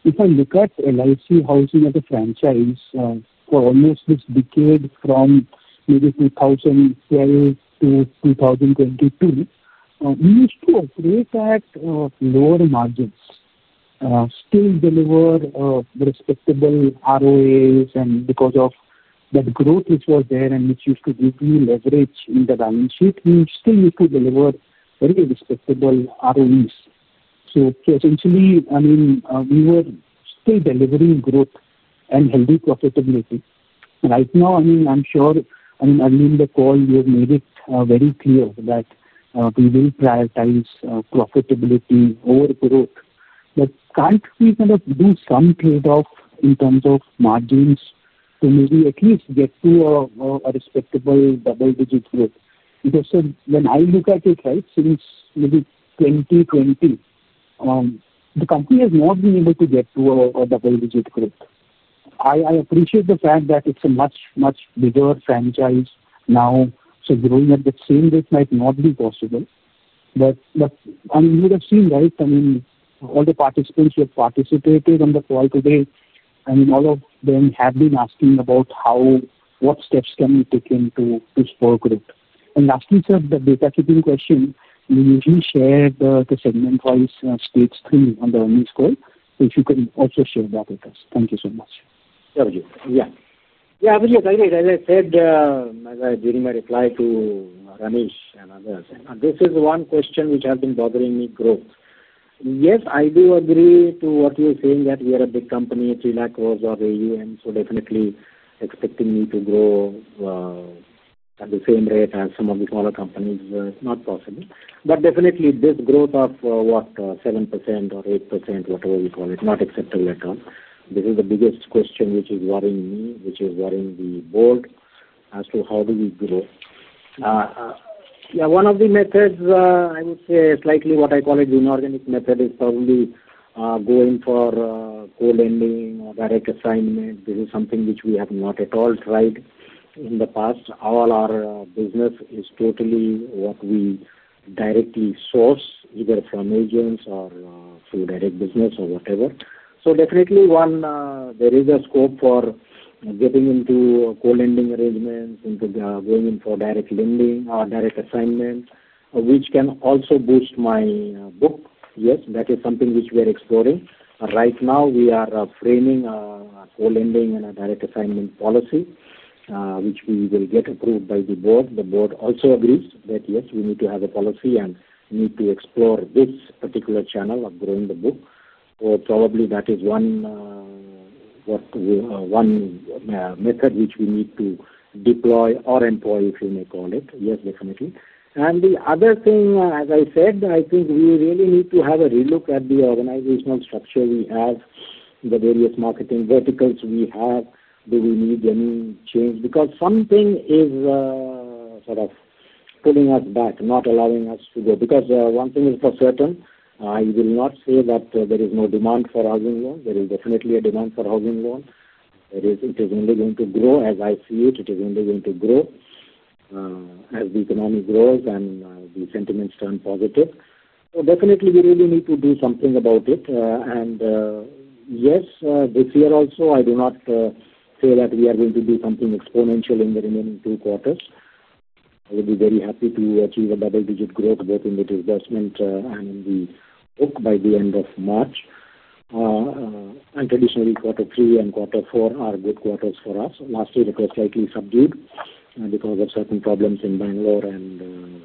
if I look at LIC Housing Finance Limited as a franchise for almost this decade, from maybe 2012 to 2022, we used to operate at lower margins, still deliver respectable ROAs. Because of that growth which was there and which used to give you leverage in the balance sheet, we still used to deliver very respectable ROEs. Essentially, we were still delivering growth and healthy profitability. Right now, I'm sure in the call you have made it very clear that we will prioritize profitability over growth, but can't we do some trade-off in terms of margins to maybe at least get to a respectable double-digit growth? When I look at it, right, since maybe 2020 the company has not been able to get to a double-digit growth. I appreciate the fact that it's a much, much bigger franchise now, so growing at the same rate might not be possible. You would have seen, right? All the participants who have participated on the call today, all of them have been asking about what steps can be taken for this growth. Lastly, sir, the data keeping question, we usually share the segment-wise Stage 3 on the earnings call. If you can also share that with us. Thank you so much.
As I said during my reply to Renish and others, this is one question which has been bothering me. Growth. Yes, I do agree to what you're saying that we are a big company, INR 3 lakh crore of AUM. Definitely expecting me to grow at the same rate as some of the smaller companies, not possible. Definitely this growth of what, 7% or 8%, whatever we call it, not acceptable at all. This is the biggest question which is worrying me, which is worrying the board as to how do we grow. One of the methods, I would say slightly what I call an inorganic method, is probably going for co-lending or direct assignment. This is something which we have not at all tried in the past. All our business is totally what we directly source either from agents or through direct business or whatever. There is a scope for getting into co-lending arrangements, into going in for direct lending or direct assignment, which can also boost my book. Yes, that is something which we are exploring right now. We are framing co-lending and a direct assignment policy, which we will get approved by the board. The board also agrees that yes, we need to have a policy and need to explore this particular channel of growing the book. Probably that is one method which we need to deploy or employ, if you may call it. Yes, definitely. The other thing, as I said, I think we really need to have a relook at the organizational structure we have, the various marketing verticals we have. Do we need any change? Because something is sort of pulling us back, not allowing us to go. One thing is for certain, I will not say that there is no demand for housing loan. There is definitely a demand for housing loan. It is only going to grow as I see it. It is only going to grow as the economy grows and the sentiments turn positive. Definitely, we really need to do something about it. Yes, this year also I do not say that we are going to do something exponential in the remaining two quarters. We'll be very happy to achieve a double digit growth both in the divestment and in the book by the end of March. Traditionally, quarter three and quarter four are good quarters for us. Last year it was slightly subdued because of certain problems in Bangalore and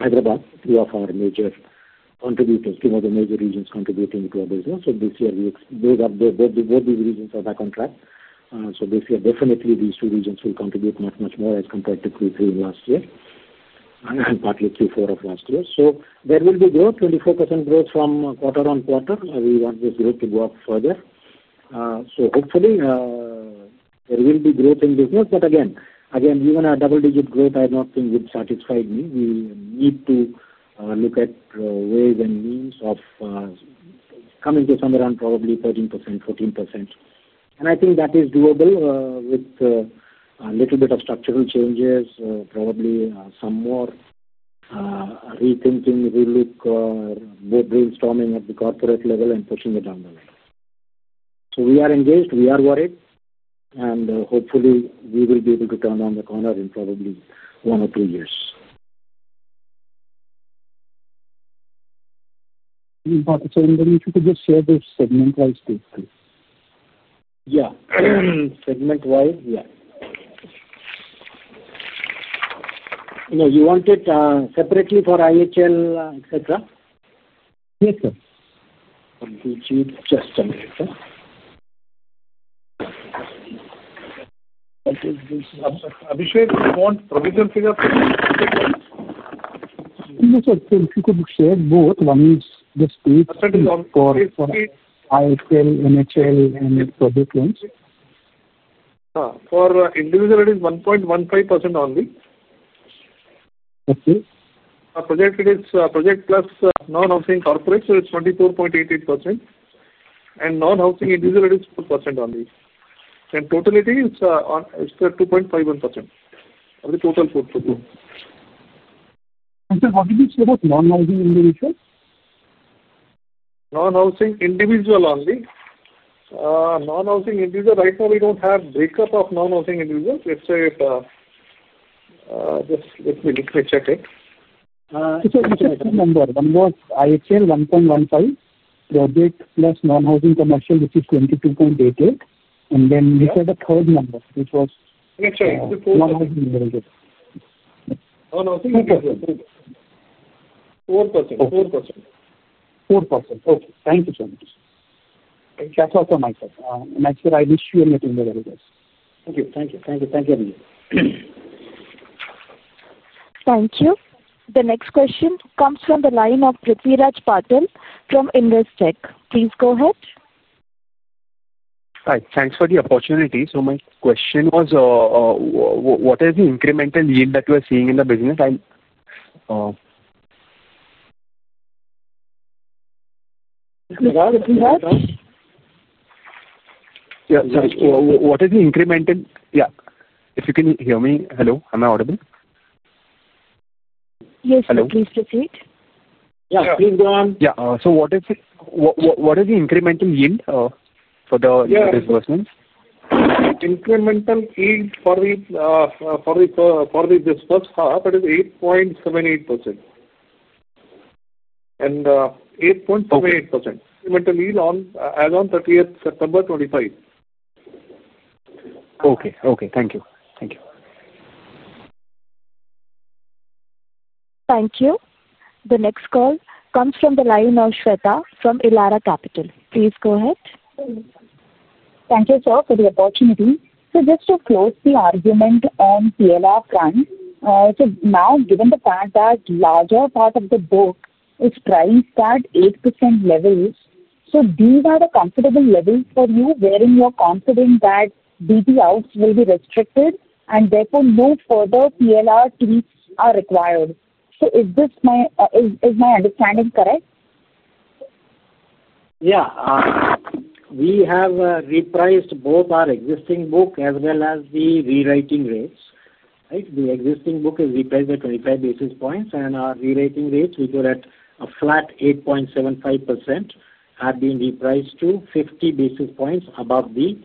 Hyderabad, three of our major contributors, two of the major regions contributing to our business. This year both the regions are back on track. This year definitely these two regions will contribute much, much more as compared to Q3 in last year and partly Q4 of last year. There will be growth, 24% growth. From quarter-on-quarter, we want this growth to go up further. If there will be growth in business, even our double digit growth, I don't think would satisfy me. We need to look at ways and means of coming to somewhere around probably 13%, 14%, and I think that is doable with a little bit of structural changes, probably some more rethinking, more brainstorming at the corporate level and pushing it down. We are engaged, we are worried. Hopefully, we will be able to turn the corner in probably one or two years. Yeah. Segment-wise, yeah. No, you want it separately for IHN?
Yes, sir.
For individual it is 1.15% only. Project, it is project plus non housing corporate, so it's 24.88%. Non housing individual is 4% only. Totality is on, it's 2.51% of the total portfolio.
What did you say about non-housing individual?
Non-housing, individual only non-housing. Right now we don't have breakup of non-housing. Let me check it.
1.15 project plus non-housing commercial, which is 22.88. This is a third number which was.
That's right. 4%. 4%. 4%.
Okay. Thank you so much. Thank you. Thank you.
Thank you. The next question comes from the line of Prithviraj Patil from Investec. Please go ahead.
Right. Thanks for the opportunity. My question was what is the incremental yield that you are seeing in the business? Sorry. What is the incremental cost of funds. Yeah. If you can hear me. Hello. Am I audible?
Yes, please proceed.
Yeah, please go on.
Yeah, what is it? What is the incremental yield for the disbursements?
Incremental yield for the disbursement first half is 8.78% and 8.78% as on 30th September 2025.
Okay. Okay, thank you.
Thank you. The next call comes from the line of Shweta from Elara Capital. Please go ahead.
Thank you, sir, for the appointment opportunity. Just to close the argument on the PLR front, given the fact that a larger part of the book is trending at 8% levels, these are the comfortable levels for you, wherein you're confident that BT outs will be restricted and therefore no further PLR tweaks are required. Is my understanding correct?
Yes, we have repriced both our existing book as well as the rewriting rates. The existing book is repriced at 25 basis points and our rewriting rates, which were at a flat 8.75%, have been repriced to 50 basis points above the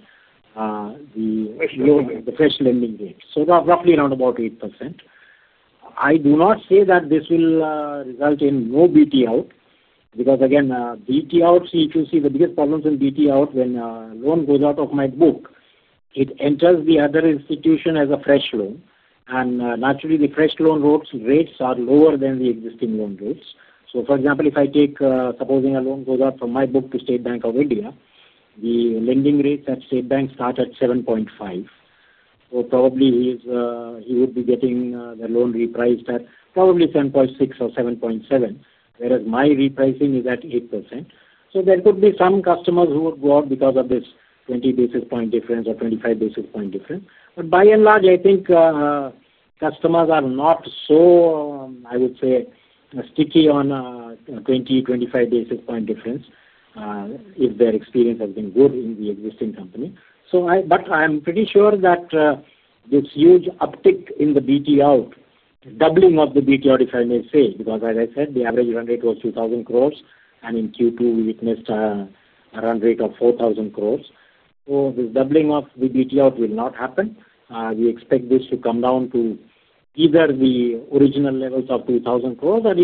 fresh lending rate. So roughly around about 8%. I do not say that this will result in no BT out because again, BT out, see, if you see the biggest problems in BT out, when a loan goes out of my book, it enters the other institution as a fresh loan, and naturally the fresh loan rates are lower than the existing loan rates. For example, if I take supposing a loan goes up from my book to State Bank of India, the lending rates at State Bank start at 7.5% or probably he would be getting the loan repriced at probably 7.6% or 7.7%, whereas my repricing is at 8%. There could be some customers who would go out because of this 20 basis point difference or 25 basis point difference. By and large, I think customers are not so, I would say, sticky on 20, 25 basis point difference if their experience has been good in the existing company. I am pretty sure that this huge uptick in the BT out, doubling of the BT out if I may say, because as I said, the average run rate was 2,000 crore and in Q2 we witnessed a run rate of 4,000 crore. The doubling of the BT out will not happen. We expect this to come down to either the original levels of 2,000 crore or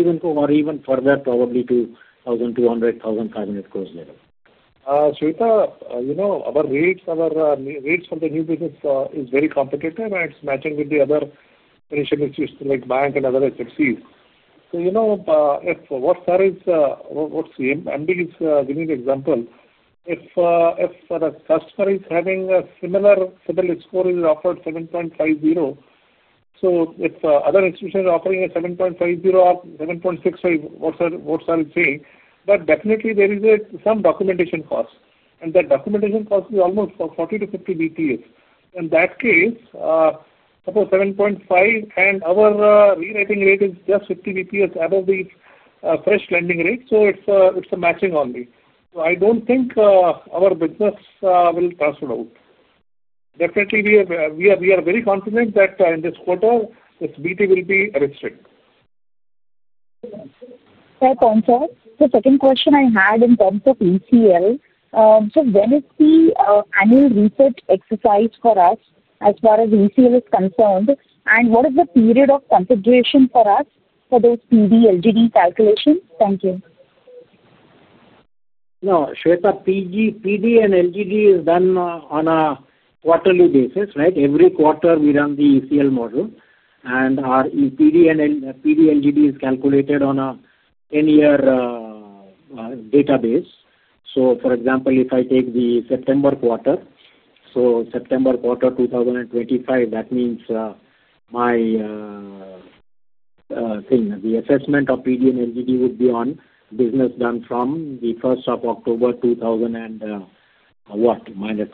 even further probably to crores level.
You know our REITs, our REITs. The new business is very competitive. It's matching with the other initial issues like bank and other SFCs. If what sir is, what CMD is giving example, if the customer is having a similar CIBIL score, is offered 7.50%. If other institutions are offering 7.50% or 7.65%, what sir is saying. There is definitely some documentation cost, and that documentation cost is almost 40 to 50 bps in that case above 7.5%. Our rewriting rate is just 50 bps above the fresh lending rate. It's matching only. I don't think our business will transfer out. We are very confident that in this quarter BT will be restrict.
The second question I had in terms of ECL. When is the annual reset exercise for us as far as ECL is concerned, and what is the period of consideration for us for those PD LGD calculations? Thank you.
No, Shweta, PG, PD, and LGD is done on a quarterly basis. Right. Every quarter we run the ECL model and our PD and PD, LGD is calculated on a 10-year database. For example, if I take the September quarter, so September quarter 2025, that means the assessment of PD and LGD would be on business done from 1st October 2015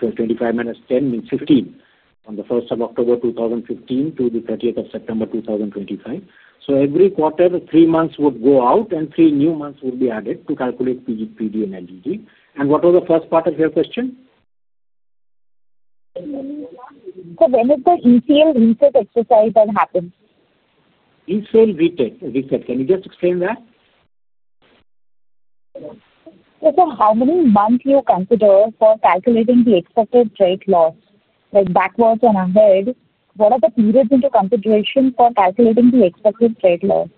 to 30th September 2025. Every quarter, three months would go out and three new months would be added to calculate PD and LGD. What was the first part of your question?
When is the ECL research exercise that happens?
ECL retake reset. Can you just explain that?
How many months you consider for calculating the expected trade loss, like backwards and ahead? What are the periods into consideration for calculating the expected trade loss?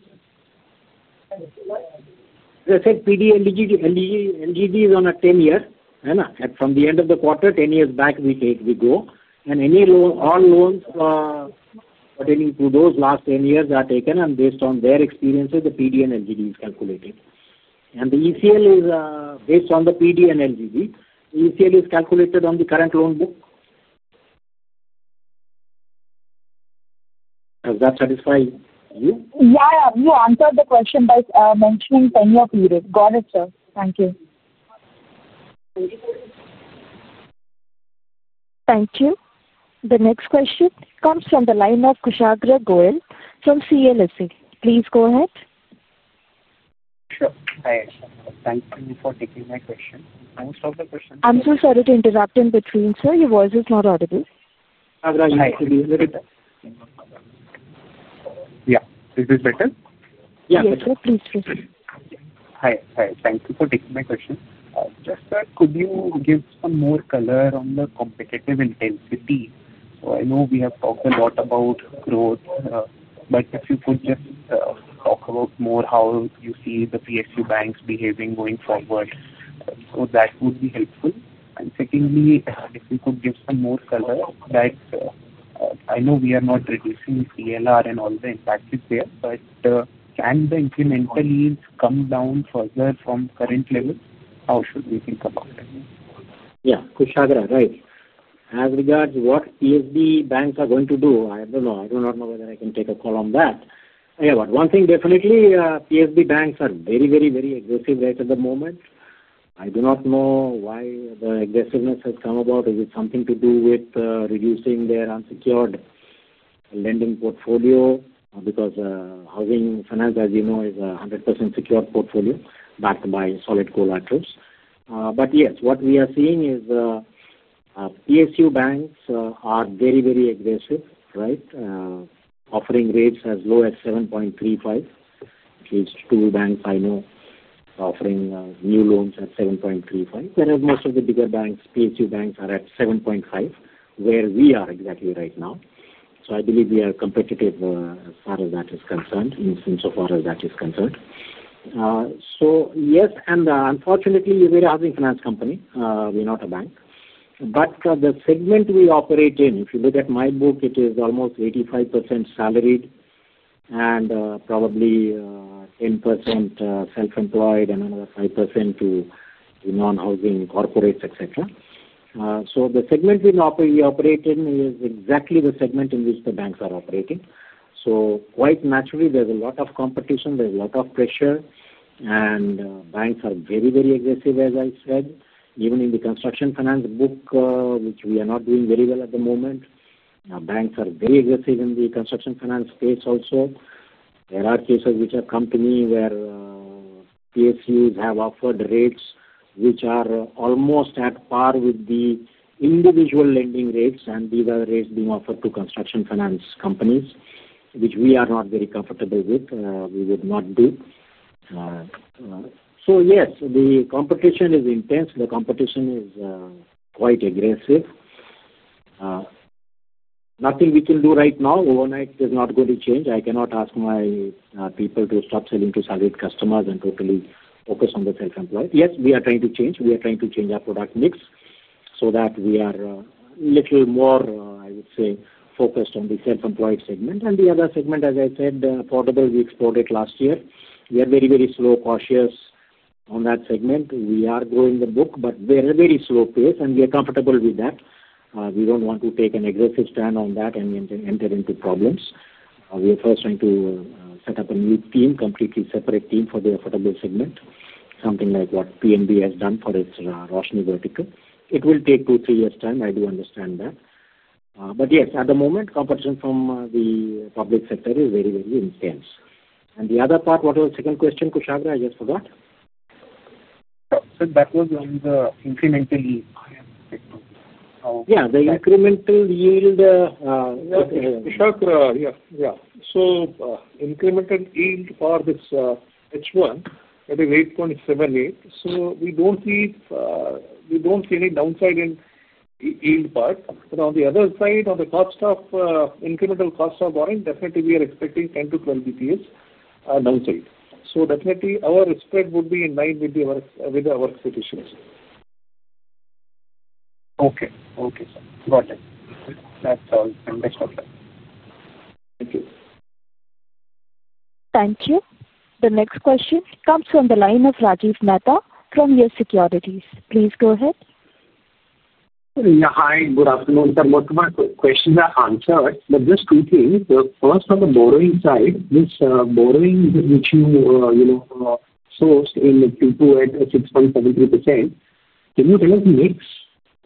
PD, LGD is on a 10-year, and from the end of the quarter 10 years back, we take, we go. Any loan, all loans attaining to those last 10 years are taken, and based on their experiences, the PD and LGD is calculated, and the ECL is based on the PD and LGD. ECL is calculated on the current loan book. Does that satisfy you?
Yeah, you answered the question by mentioning tenure period. Got it, sir. Thank you.
Thank you. The next question comes from the line of Kushagra Goyal from CLSA. Please go ahead.
Sure. Thank you for taking my question.
I'm so sorry to interrupt in between. Sir, your voice is not audible.
Yeah. Is this better? Hi. Thank you for taking just. Sir, could you give some more color on the competitive intensity? I know we have talked a lot about growth, but if you could just talk about more how you see the PSU banks behaving going forward. That would be helpful. Secondly, if you could give some more color that I know we are. not reducing PLR and all the impact. I think, can the incremental yields come down further from current levels? How should we think about it?
Yeah. Kushagra, right. As regards what PSB banks are going to do, I don't know. I do not know whether I can take a call on that. One thing definitely, PSB banks are very, very, very aggressive right at the moment. I do not know why the aggressiveness has come about. Is it something to do with reducing their unsecured lending portfolio? Because housing finance, as you know, is a 100% secured portfolio backed by solid collaterals. What we are seeing is PSU banks are very, very aggressive, right? Offering rates as low as 7.35%. These two banks I know are offering new loans at 7.35%, whereas most of the bigger banks, PSU banks, are at 7.5%, where we are exactly right now. I believe we are competitive as far as that is concerned insofar as that is concerned. Unfortunately, we are a housing finance company. We are not a bank. The segment we operate in, if you look at my book, it is almost 85% salaried and probably in percentage and another 5% to non-housing corporates, etc. The segment we operate in is exactly the segment in which the banks are operating. Quite naturally, there's a lot of competition, there's a lot of pressure, and banks are very, very aggressive. As I said, even in the construction finance book, which we are not doing very well at the moment, banks are very aggressive. In the construction finance book, there are cases where PSUs have offered rates which are almost at par with the individual lending rates, and these are rates being offered to construction finance companies, which we are not very comfortable with. We would not do. The competition is intense. The competition is quite aggressive. Nothing we can do right now, overnight is not going to change. I cannot ask my people to stop selling to savvy customers and totally focus on the self-employed. We are trying to change. We are trying to change our product mix so that we are a little more, I would say, focused on the self-employed segment and the other segment. As I said, affordable, we exported last year. We are very, very slow, cautious on that segment. We are growing the book, but we're at a very slow pace, and we are comfortable with that. We don't want to take an aggressive stand on that and enter into problems. We are first trying to set up a new team, completely separate team for the affordable segment. Something like what PNB has done for its Roshni Vertical. It will take two, three years' time. I do understand that. At the moment, competition from the public sector is very, very intense. The other part, what was the second question? Kushagra, I just forgot.
That was on the incrementally.
Yeah, the incremental yield.
Yeah, yeah. Incremental yield for this H1, that is 8.78%. We don't see any downside in yield part. On the other side, on the cost of incremental cost of borrowing, definitely we are expecting 10 to 12 bps. Definitely our spread would be in line with the work, with our situations.
Okay. Okay, thank you.
Thank you. The next question comes from the line of Rajiv Mehta from YES Securities. Please go ahead.
Hi, good afternoon, sir. Most of my questions are answered, but these two things. First, on the borrowing side, this borrowing which you sourced in Q2 at 6.73%, can you tell us mix.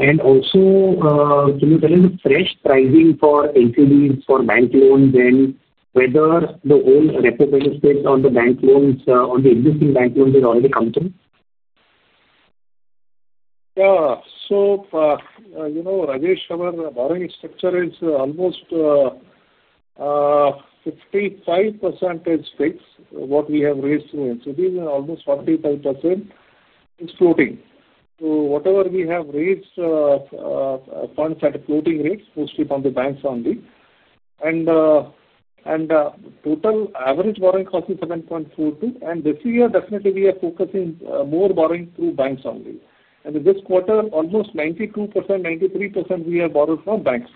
Can you tell us the fresh pricing for entities for bank loans and whether the whole repo benefit on the bank loans on the existing bank loans has already come through?
Yeah you know, Rajiv, our borrowing structure is almost 55% fixed, what we have raised through NCDs, and almost 45% is floating. So whatever we have raised funds at floating rates mostly from the banks only. The total average borrowing cost is 7.42%. This year, definitely we are focusing more borrowing through banks only. This quarter, almost 92% we have borrowed from banks.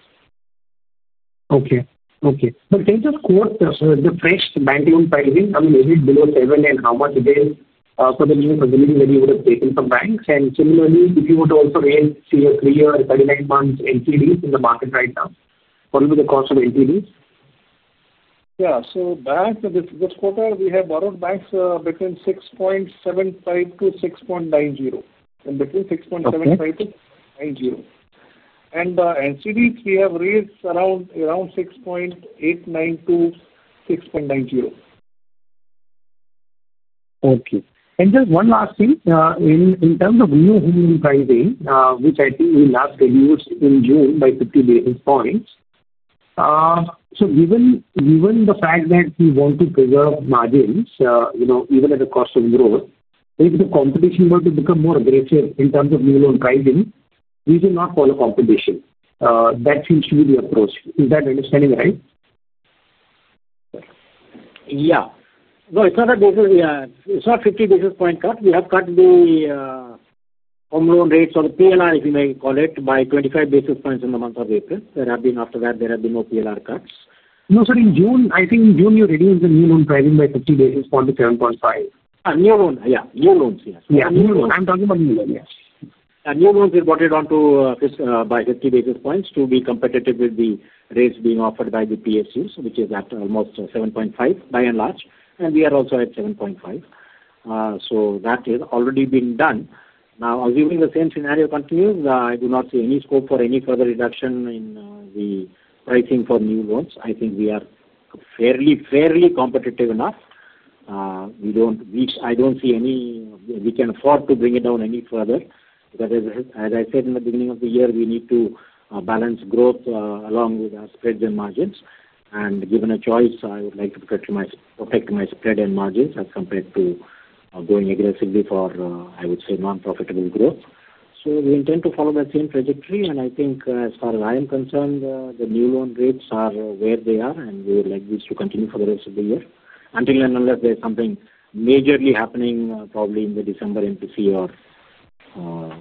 Okay, okay. Can you quote the fresh bank loan pricing? I mean, is it below 7? How much is it for the banks? Similarly, if you would also raise, see a 3-year, 39-month NCDs in the market right now. What will be the cost of NCDs?
Yeah, this quarter we have borrowed from banks between 6.75%-6.90%. Between 6.75%-6.90% and NCDs we have raised around 6.892%-6.90%.
Okay. Just one last thing. In terms of new home pricing, which I think we last reduced in June by 50 basis points. Given the fact that we want to preserve margins even at the cost of growth, if the competition were to become more aggressive in terms of new loan pricing, we should not follow competition. That seems to be the approach. Is that understanding right?
Yeah. No, it's not a basis. It's not 50 basis point cut. We have cut the home loan rates or the PLR, if you may call it, by 25 basis points in the month of April. After that, there have been no PLR cuts. No, sir, in June, I think June you reduced the new driving by 50 basis points to 7.5. New loan. Yeah, new loans. Yes, I'm talking about new loan. Yes, new loans. We brought it down by 50 basis points to be competitive with the rates being offered by the PSUs, which is at almost 7.5% by and large. We are also at 7.5%. That has already been done. Now, assuming the same scenario continues, I do not see any scope for any further reduction in the pricing for new loans. I think we are fairly, fairly competitive enough. I don't see any way we can afford to bring it down any further. As I said in the beginning of the year, we need to balance growth along with our spreads and margins. Given a choice, I would like to protect my spread and margins as compared to going aggressively for, I would say, non-profitable growth. We intend to follow that same trajectory. I think as far as I am concerned, the new loan rates are where they are and we would like this to continue for the rest of the year until and unless there's something majorly happening, probably in the December MPC or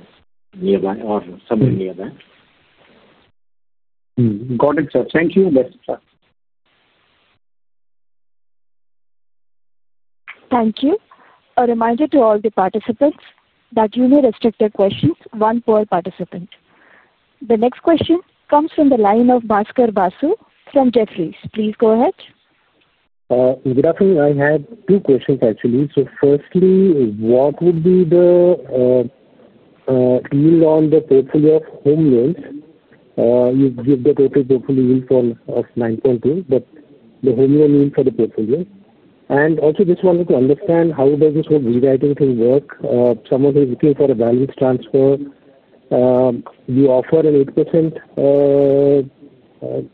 nearby or somewhere near that.
Got it, sir. Thank you.
Thank you. A reminder to all the participants that you may restrict the questions to one per participant. The next question comes from the line of Bhaskar Basu from Jefferies. Please go ahead.
I had two questions actually. Firstly, what would be the deal on the portfolio of home loans, you give the total portfolio of 914, but the home loan means for the procedure. I also just wanted to understand how does this whole rewriting thing work. Someone who's looking for a balance transfer, you offer an 8%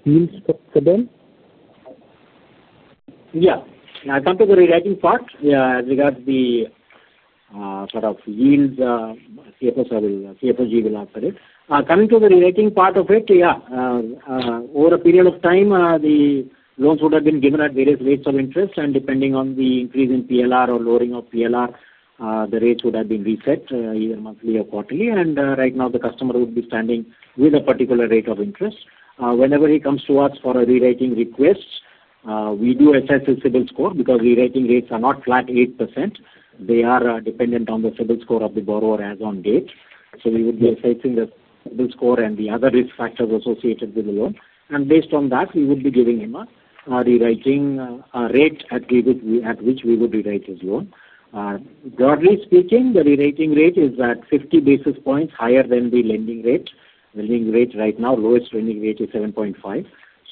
yield for them.
Yeah, I'll come to the rewriting part as regards the sort of yields, CFO G will answer it. Coming to the relating part of it, over a period of time the loans would have been given at various rates of interest, and depending on the increase in PLR or lowering of PLR, the rates would have been reset either monthly or quarterly. Right now the customer would be standing with a particular rate of interest whenever he comes to us for a rewriting request. We do assess the CIBIL score because rewriting rates are not flat 8%. They are dependent on the CIBIL score of the borrower as on date. So. We would be assessing the score and the other risk factors associated with the loan. Based on that, we would be giving him a rewriting rate at which we would rewrite his loan. Broadly speaking, the rewriting rate is at 50 basis points higher than the lending rate right now. Lowest lending rate is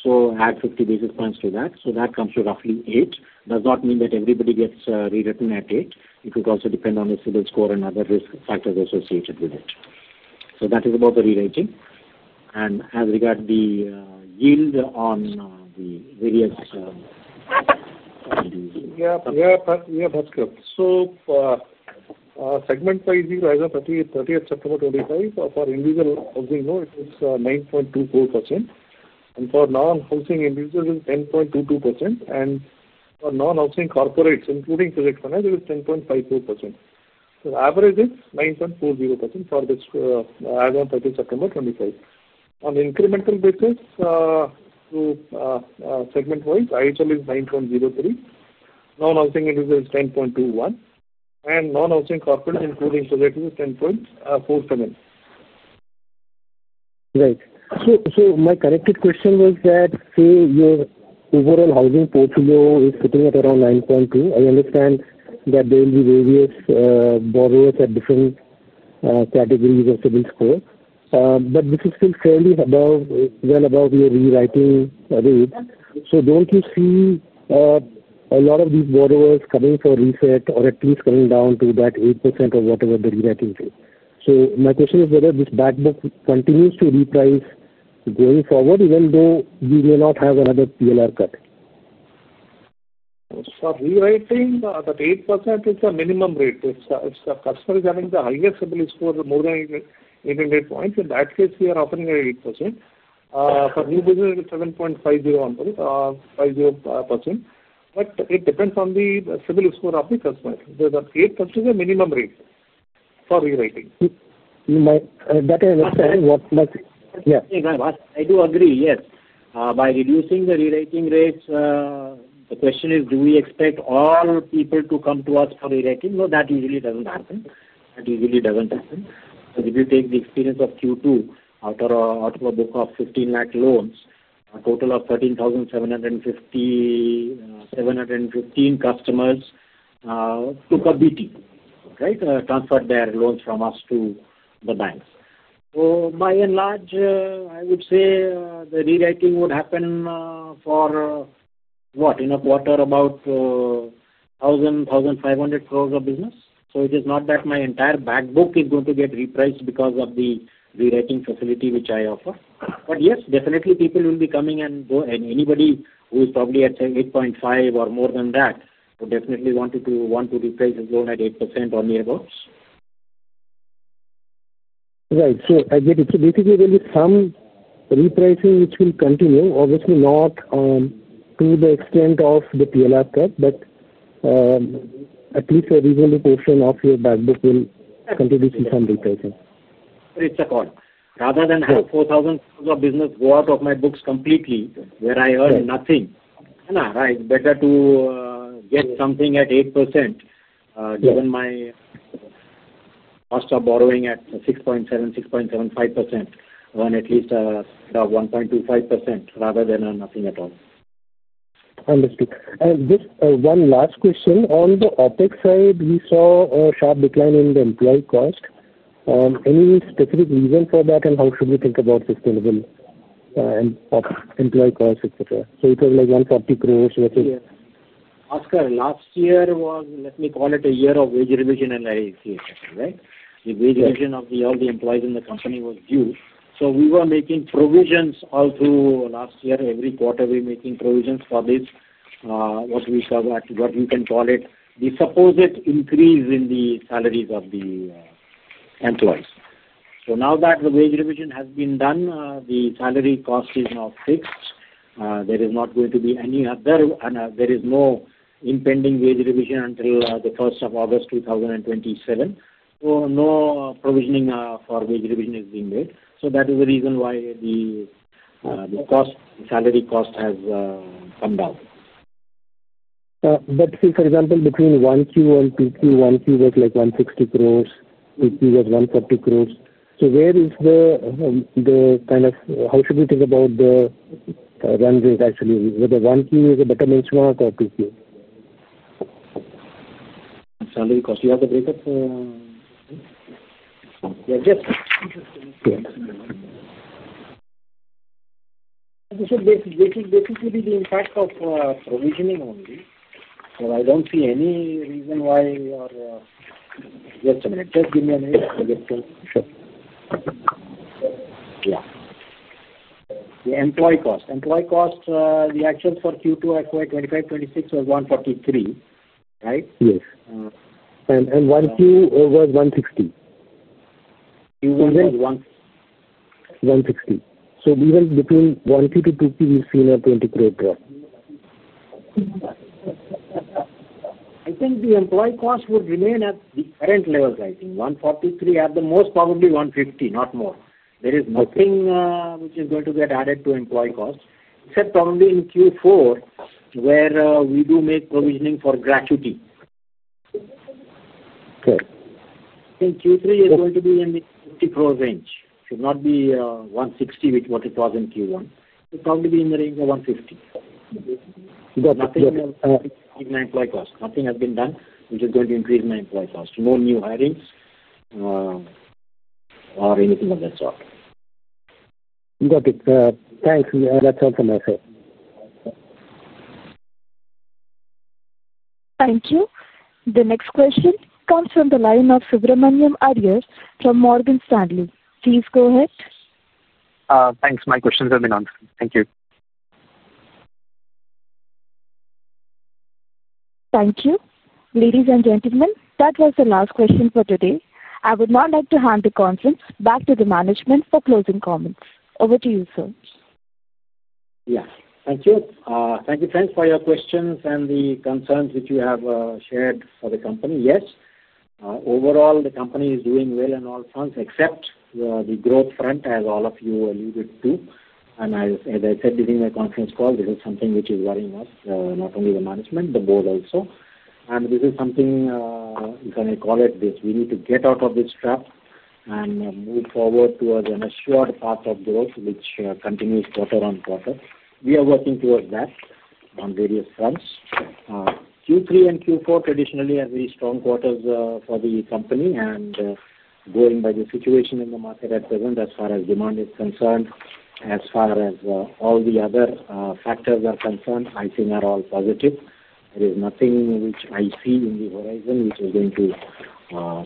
7.5%. Add 50 basis points to that, so that comes to roughly 8%. It does not mean that everybody gets rewritten at 8%. It would also depend on the CIBIL score and other risk factors associated with it. That is about the rewriting, and as regards the yield on the various.
Yeah, that's correct. Segment 50 as of 30th September 2025 for individual, as we know, is 9.24%, and for non-housing individual, 10.22%, and for non-housing corporates, including construction finance, it is 10.54%. The average is 9.40% for this as on 30th September 2025. On incremental basis, segment-wise, individual home loans is 9.03%, non-housing increase is 10.21%, and non-housing corporate, incorporating, is 10.47%.
Right. My connected question was that your overall housing portfolio is sitting at around 9.2. I understand that there will be various borrowers at different categories of civil score, but this is still fairly above, well above your rewriting rate. Don't you see a lot of these borrowers coming for reset or at least coming down to that rate, 8% or whatever the rewriting rate is? My question is whether this back book continues to reprice going forward even though we may not have another PLR cut.
For rewriting. That 8% is a minimum rate. If a customer is having the highest ability score, more than 800 points, in that case we are offering 8% for new business with 7.50%, but it depends on the CIBIL score of the customer. Minimum rate for rewriting.
I do agree, yes, by reducing the rewriting rates. The question is do we expect all people to come to us for rewriting? No, that usually doesn't happen. If you take the experience of Q2, out of a book of 1.5 million loans, a total of 13,750 customers took a BT, right, transferred their loans from us to the banks. By and large, I would say the rewriting would happen for, in a quarter, about 1,000 crore to 1,500 crore of business. It is not that my entire bank book is going to get repriced because of the rewriting facility which I offer. Yes, definitely people will be coming and going, and anybody who is probably at 8.5% or more than that would definitely want to reprice his loan at 8% or nearby.
Right. I get it. Basically, there'll be some repricing which will continue, obviously not to the extent of the PLR cap, but at least a reason portion of your back book will continue to some repricing.
It's a call. Rather than have 4,000 crore of business go out of my books completely where I earn nothing, it's better to get something at 8% given my cost of borrowing at 6.7%-6.75%, earn at least 1.25% rather than nothing at all.
Understood. One last question on the OpEx side. We saw a sharp decline in the employee cost. Any specific reason for that? How should we think about sustainable employee cost, etc.? It was like 140 crore?
Bhaskar. Last year was, let me call it, a year of wage revision and IAC, right. The wage revision of all the employees in the company was due. We were making provisions all through last year. Every quarter, we were making provisions for this once we start active. You can call it the supposed increase in the salaries of the employees. Now that the wage revision has been done, the salary cost is now fixed. There is not going to be any other. There is no impending wage revision until August 1, 2027. No provisioning for wage revision is being made. That is the reason why the salary cost has come down.
For example, between 1Q and PQ, 1Q was like 160 crore, PQ was 140 crore. Where is the kind of, how should we think about the run rate, actually, whether 1Q is a better benchmark or 2?
Salary cost. You have the breakup, you're just interested basically the impact of provisioning only. I don't see any reason why we are the employee cost, employee cost. The actions for Q2 FY 2026 was 143, right?
Yes. 1Q was 160. Even between 1P to 2P, we've seen an INR 20 crore draw.
I think the employee cost would remain at the current levels. I think 143 crore, at the most probably 150 crore, not more. There is nothing which is going to get added to employee cost, except probably in Q4 where we do make provisioning for gratuity. Think Q3 is going to be in the 50 crore range. Should not be 160 crore, with what it was in Q1, probably be in the range of 150 crore employee cost. Nothing has been done which is going to increase my employee cost. No new hirings or anything of that sort.
Got it. Thanks. That's all for myself.
Thank you. The next question comes from the line of Subramanian Iyer from Morgan Stanley. Please go ahead.
Thanks. My questions have been answered. Thank you.
Thank you, ladies and gentlemen. That was the last question for today. I would now like to hand the conference back to the management for closing comments. Over to you sir.
Yeah, thank you. Thank you, friends, for your questions and the concerns which you have shared for the company. Yes, overall the company is doing well in all fronts except the growth front, as all of you alluded to. As I said during my conference call, this is something which is worrying us, not only the management, the board also. This is something we need to get out of and move forward towards an assured path of growth which continues quarter-on-quarter. We are working towards that on various fronts. Q3 and Q4 traditionally are very strong quarters for the company. Going by the situation in the market at present, as far as demand is concerned, as far as all the other factors are concerned, I think are all positive. There is nothing which I see in the horizon which is going to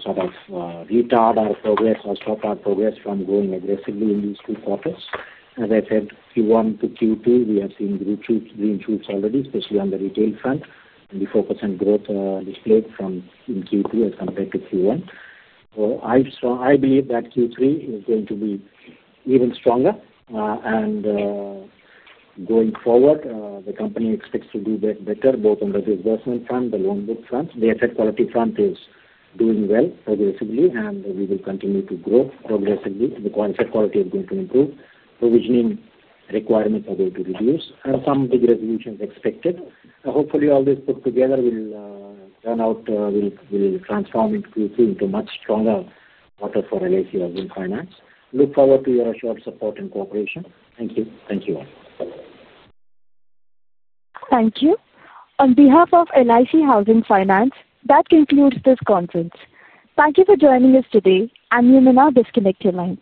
sort of retard our progress or stop our progress from going aggressively in these two quarters. As I said, Q1 to Q2, we have seen green shoots already, especially on the retail front, the 4% growth displayed from Q2 as compared to Q1. I believe that Q3 is going to be even stronger. Going forward, the company expects to do better both on the disbursement front, the loan book front, the asset quality front is doing well progressively and we will continue to grow progressively. The quality is going to improve. Provisioning requirements are going to reduce. Some big resolutions expected. Hopefully, all this put together will turn out, will transform Q2 into much stronger quarter for LIC Housing Finance. Look forward to your assured support and cooperation. Thank you. Thank you all.
Thank you on behalf of LIC Housing Finance. That concludes this conference. Thank you for joining us today. You may now disconnect your lines.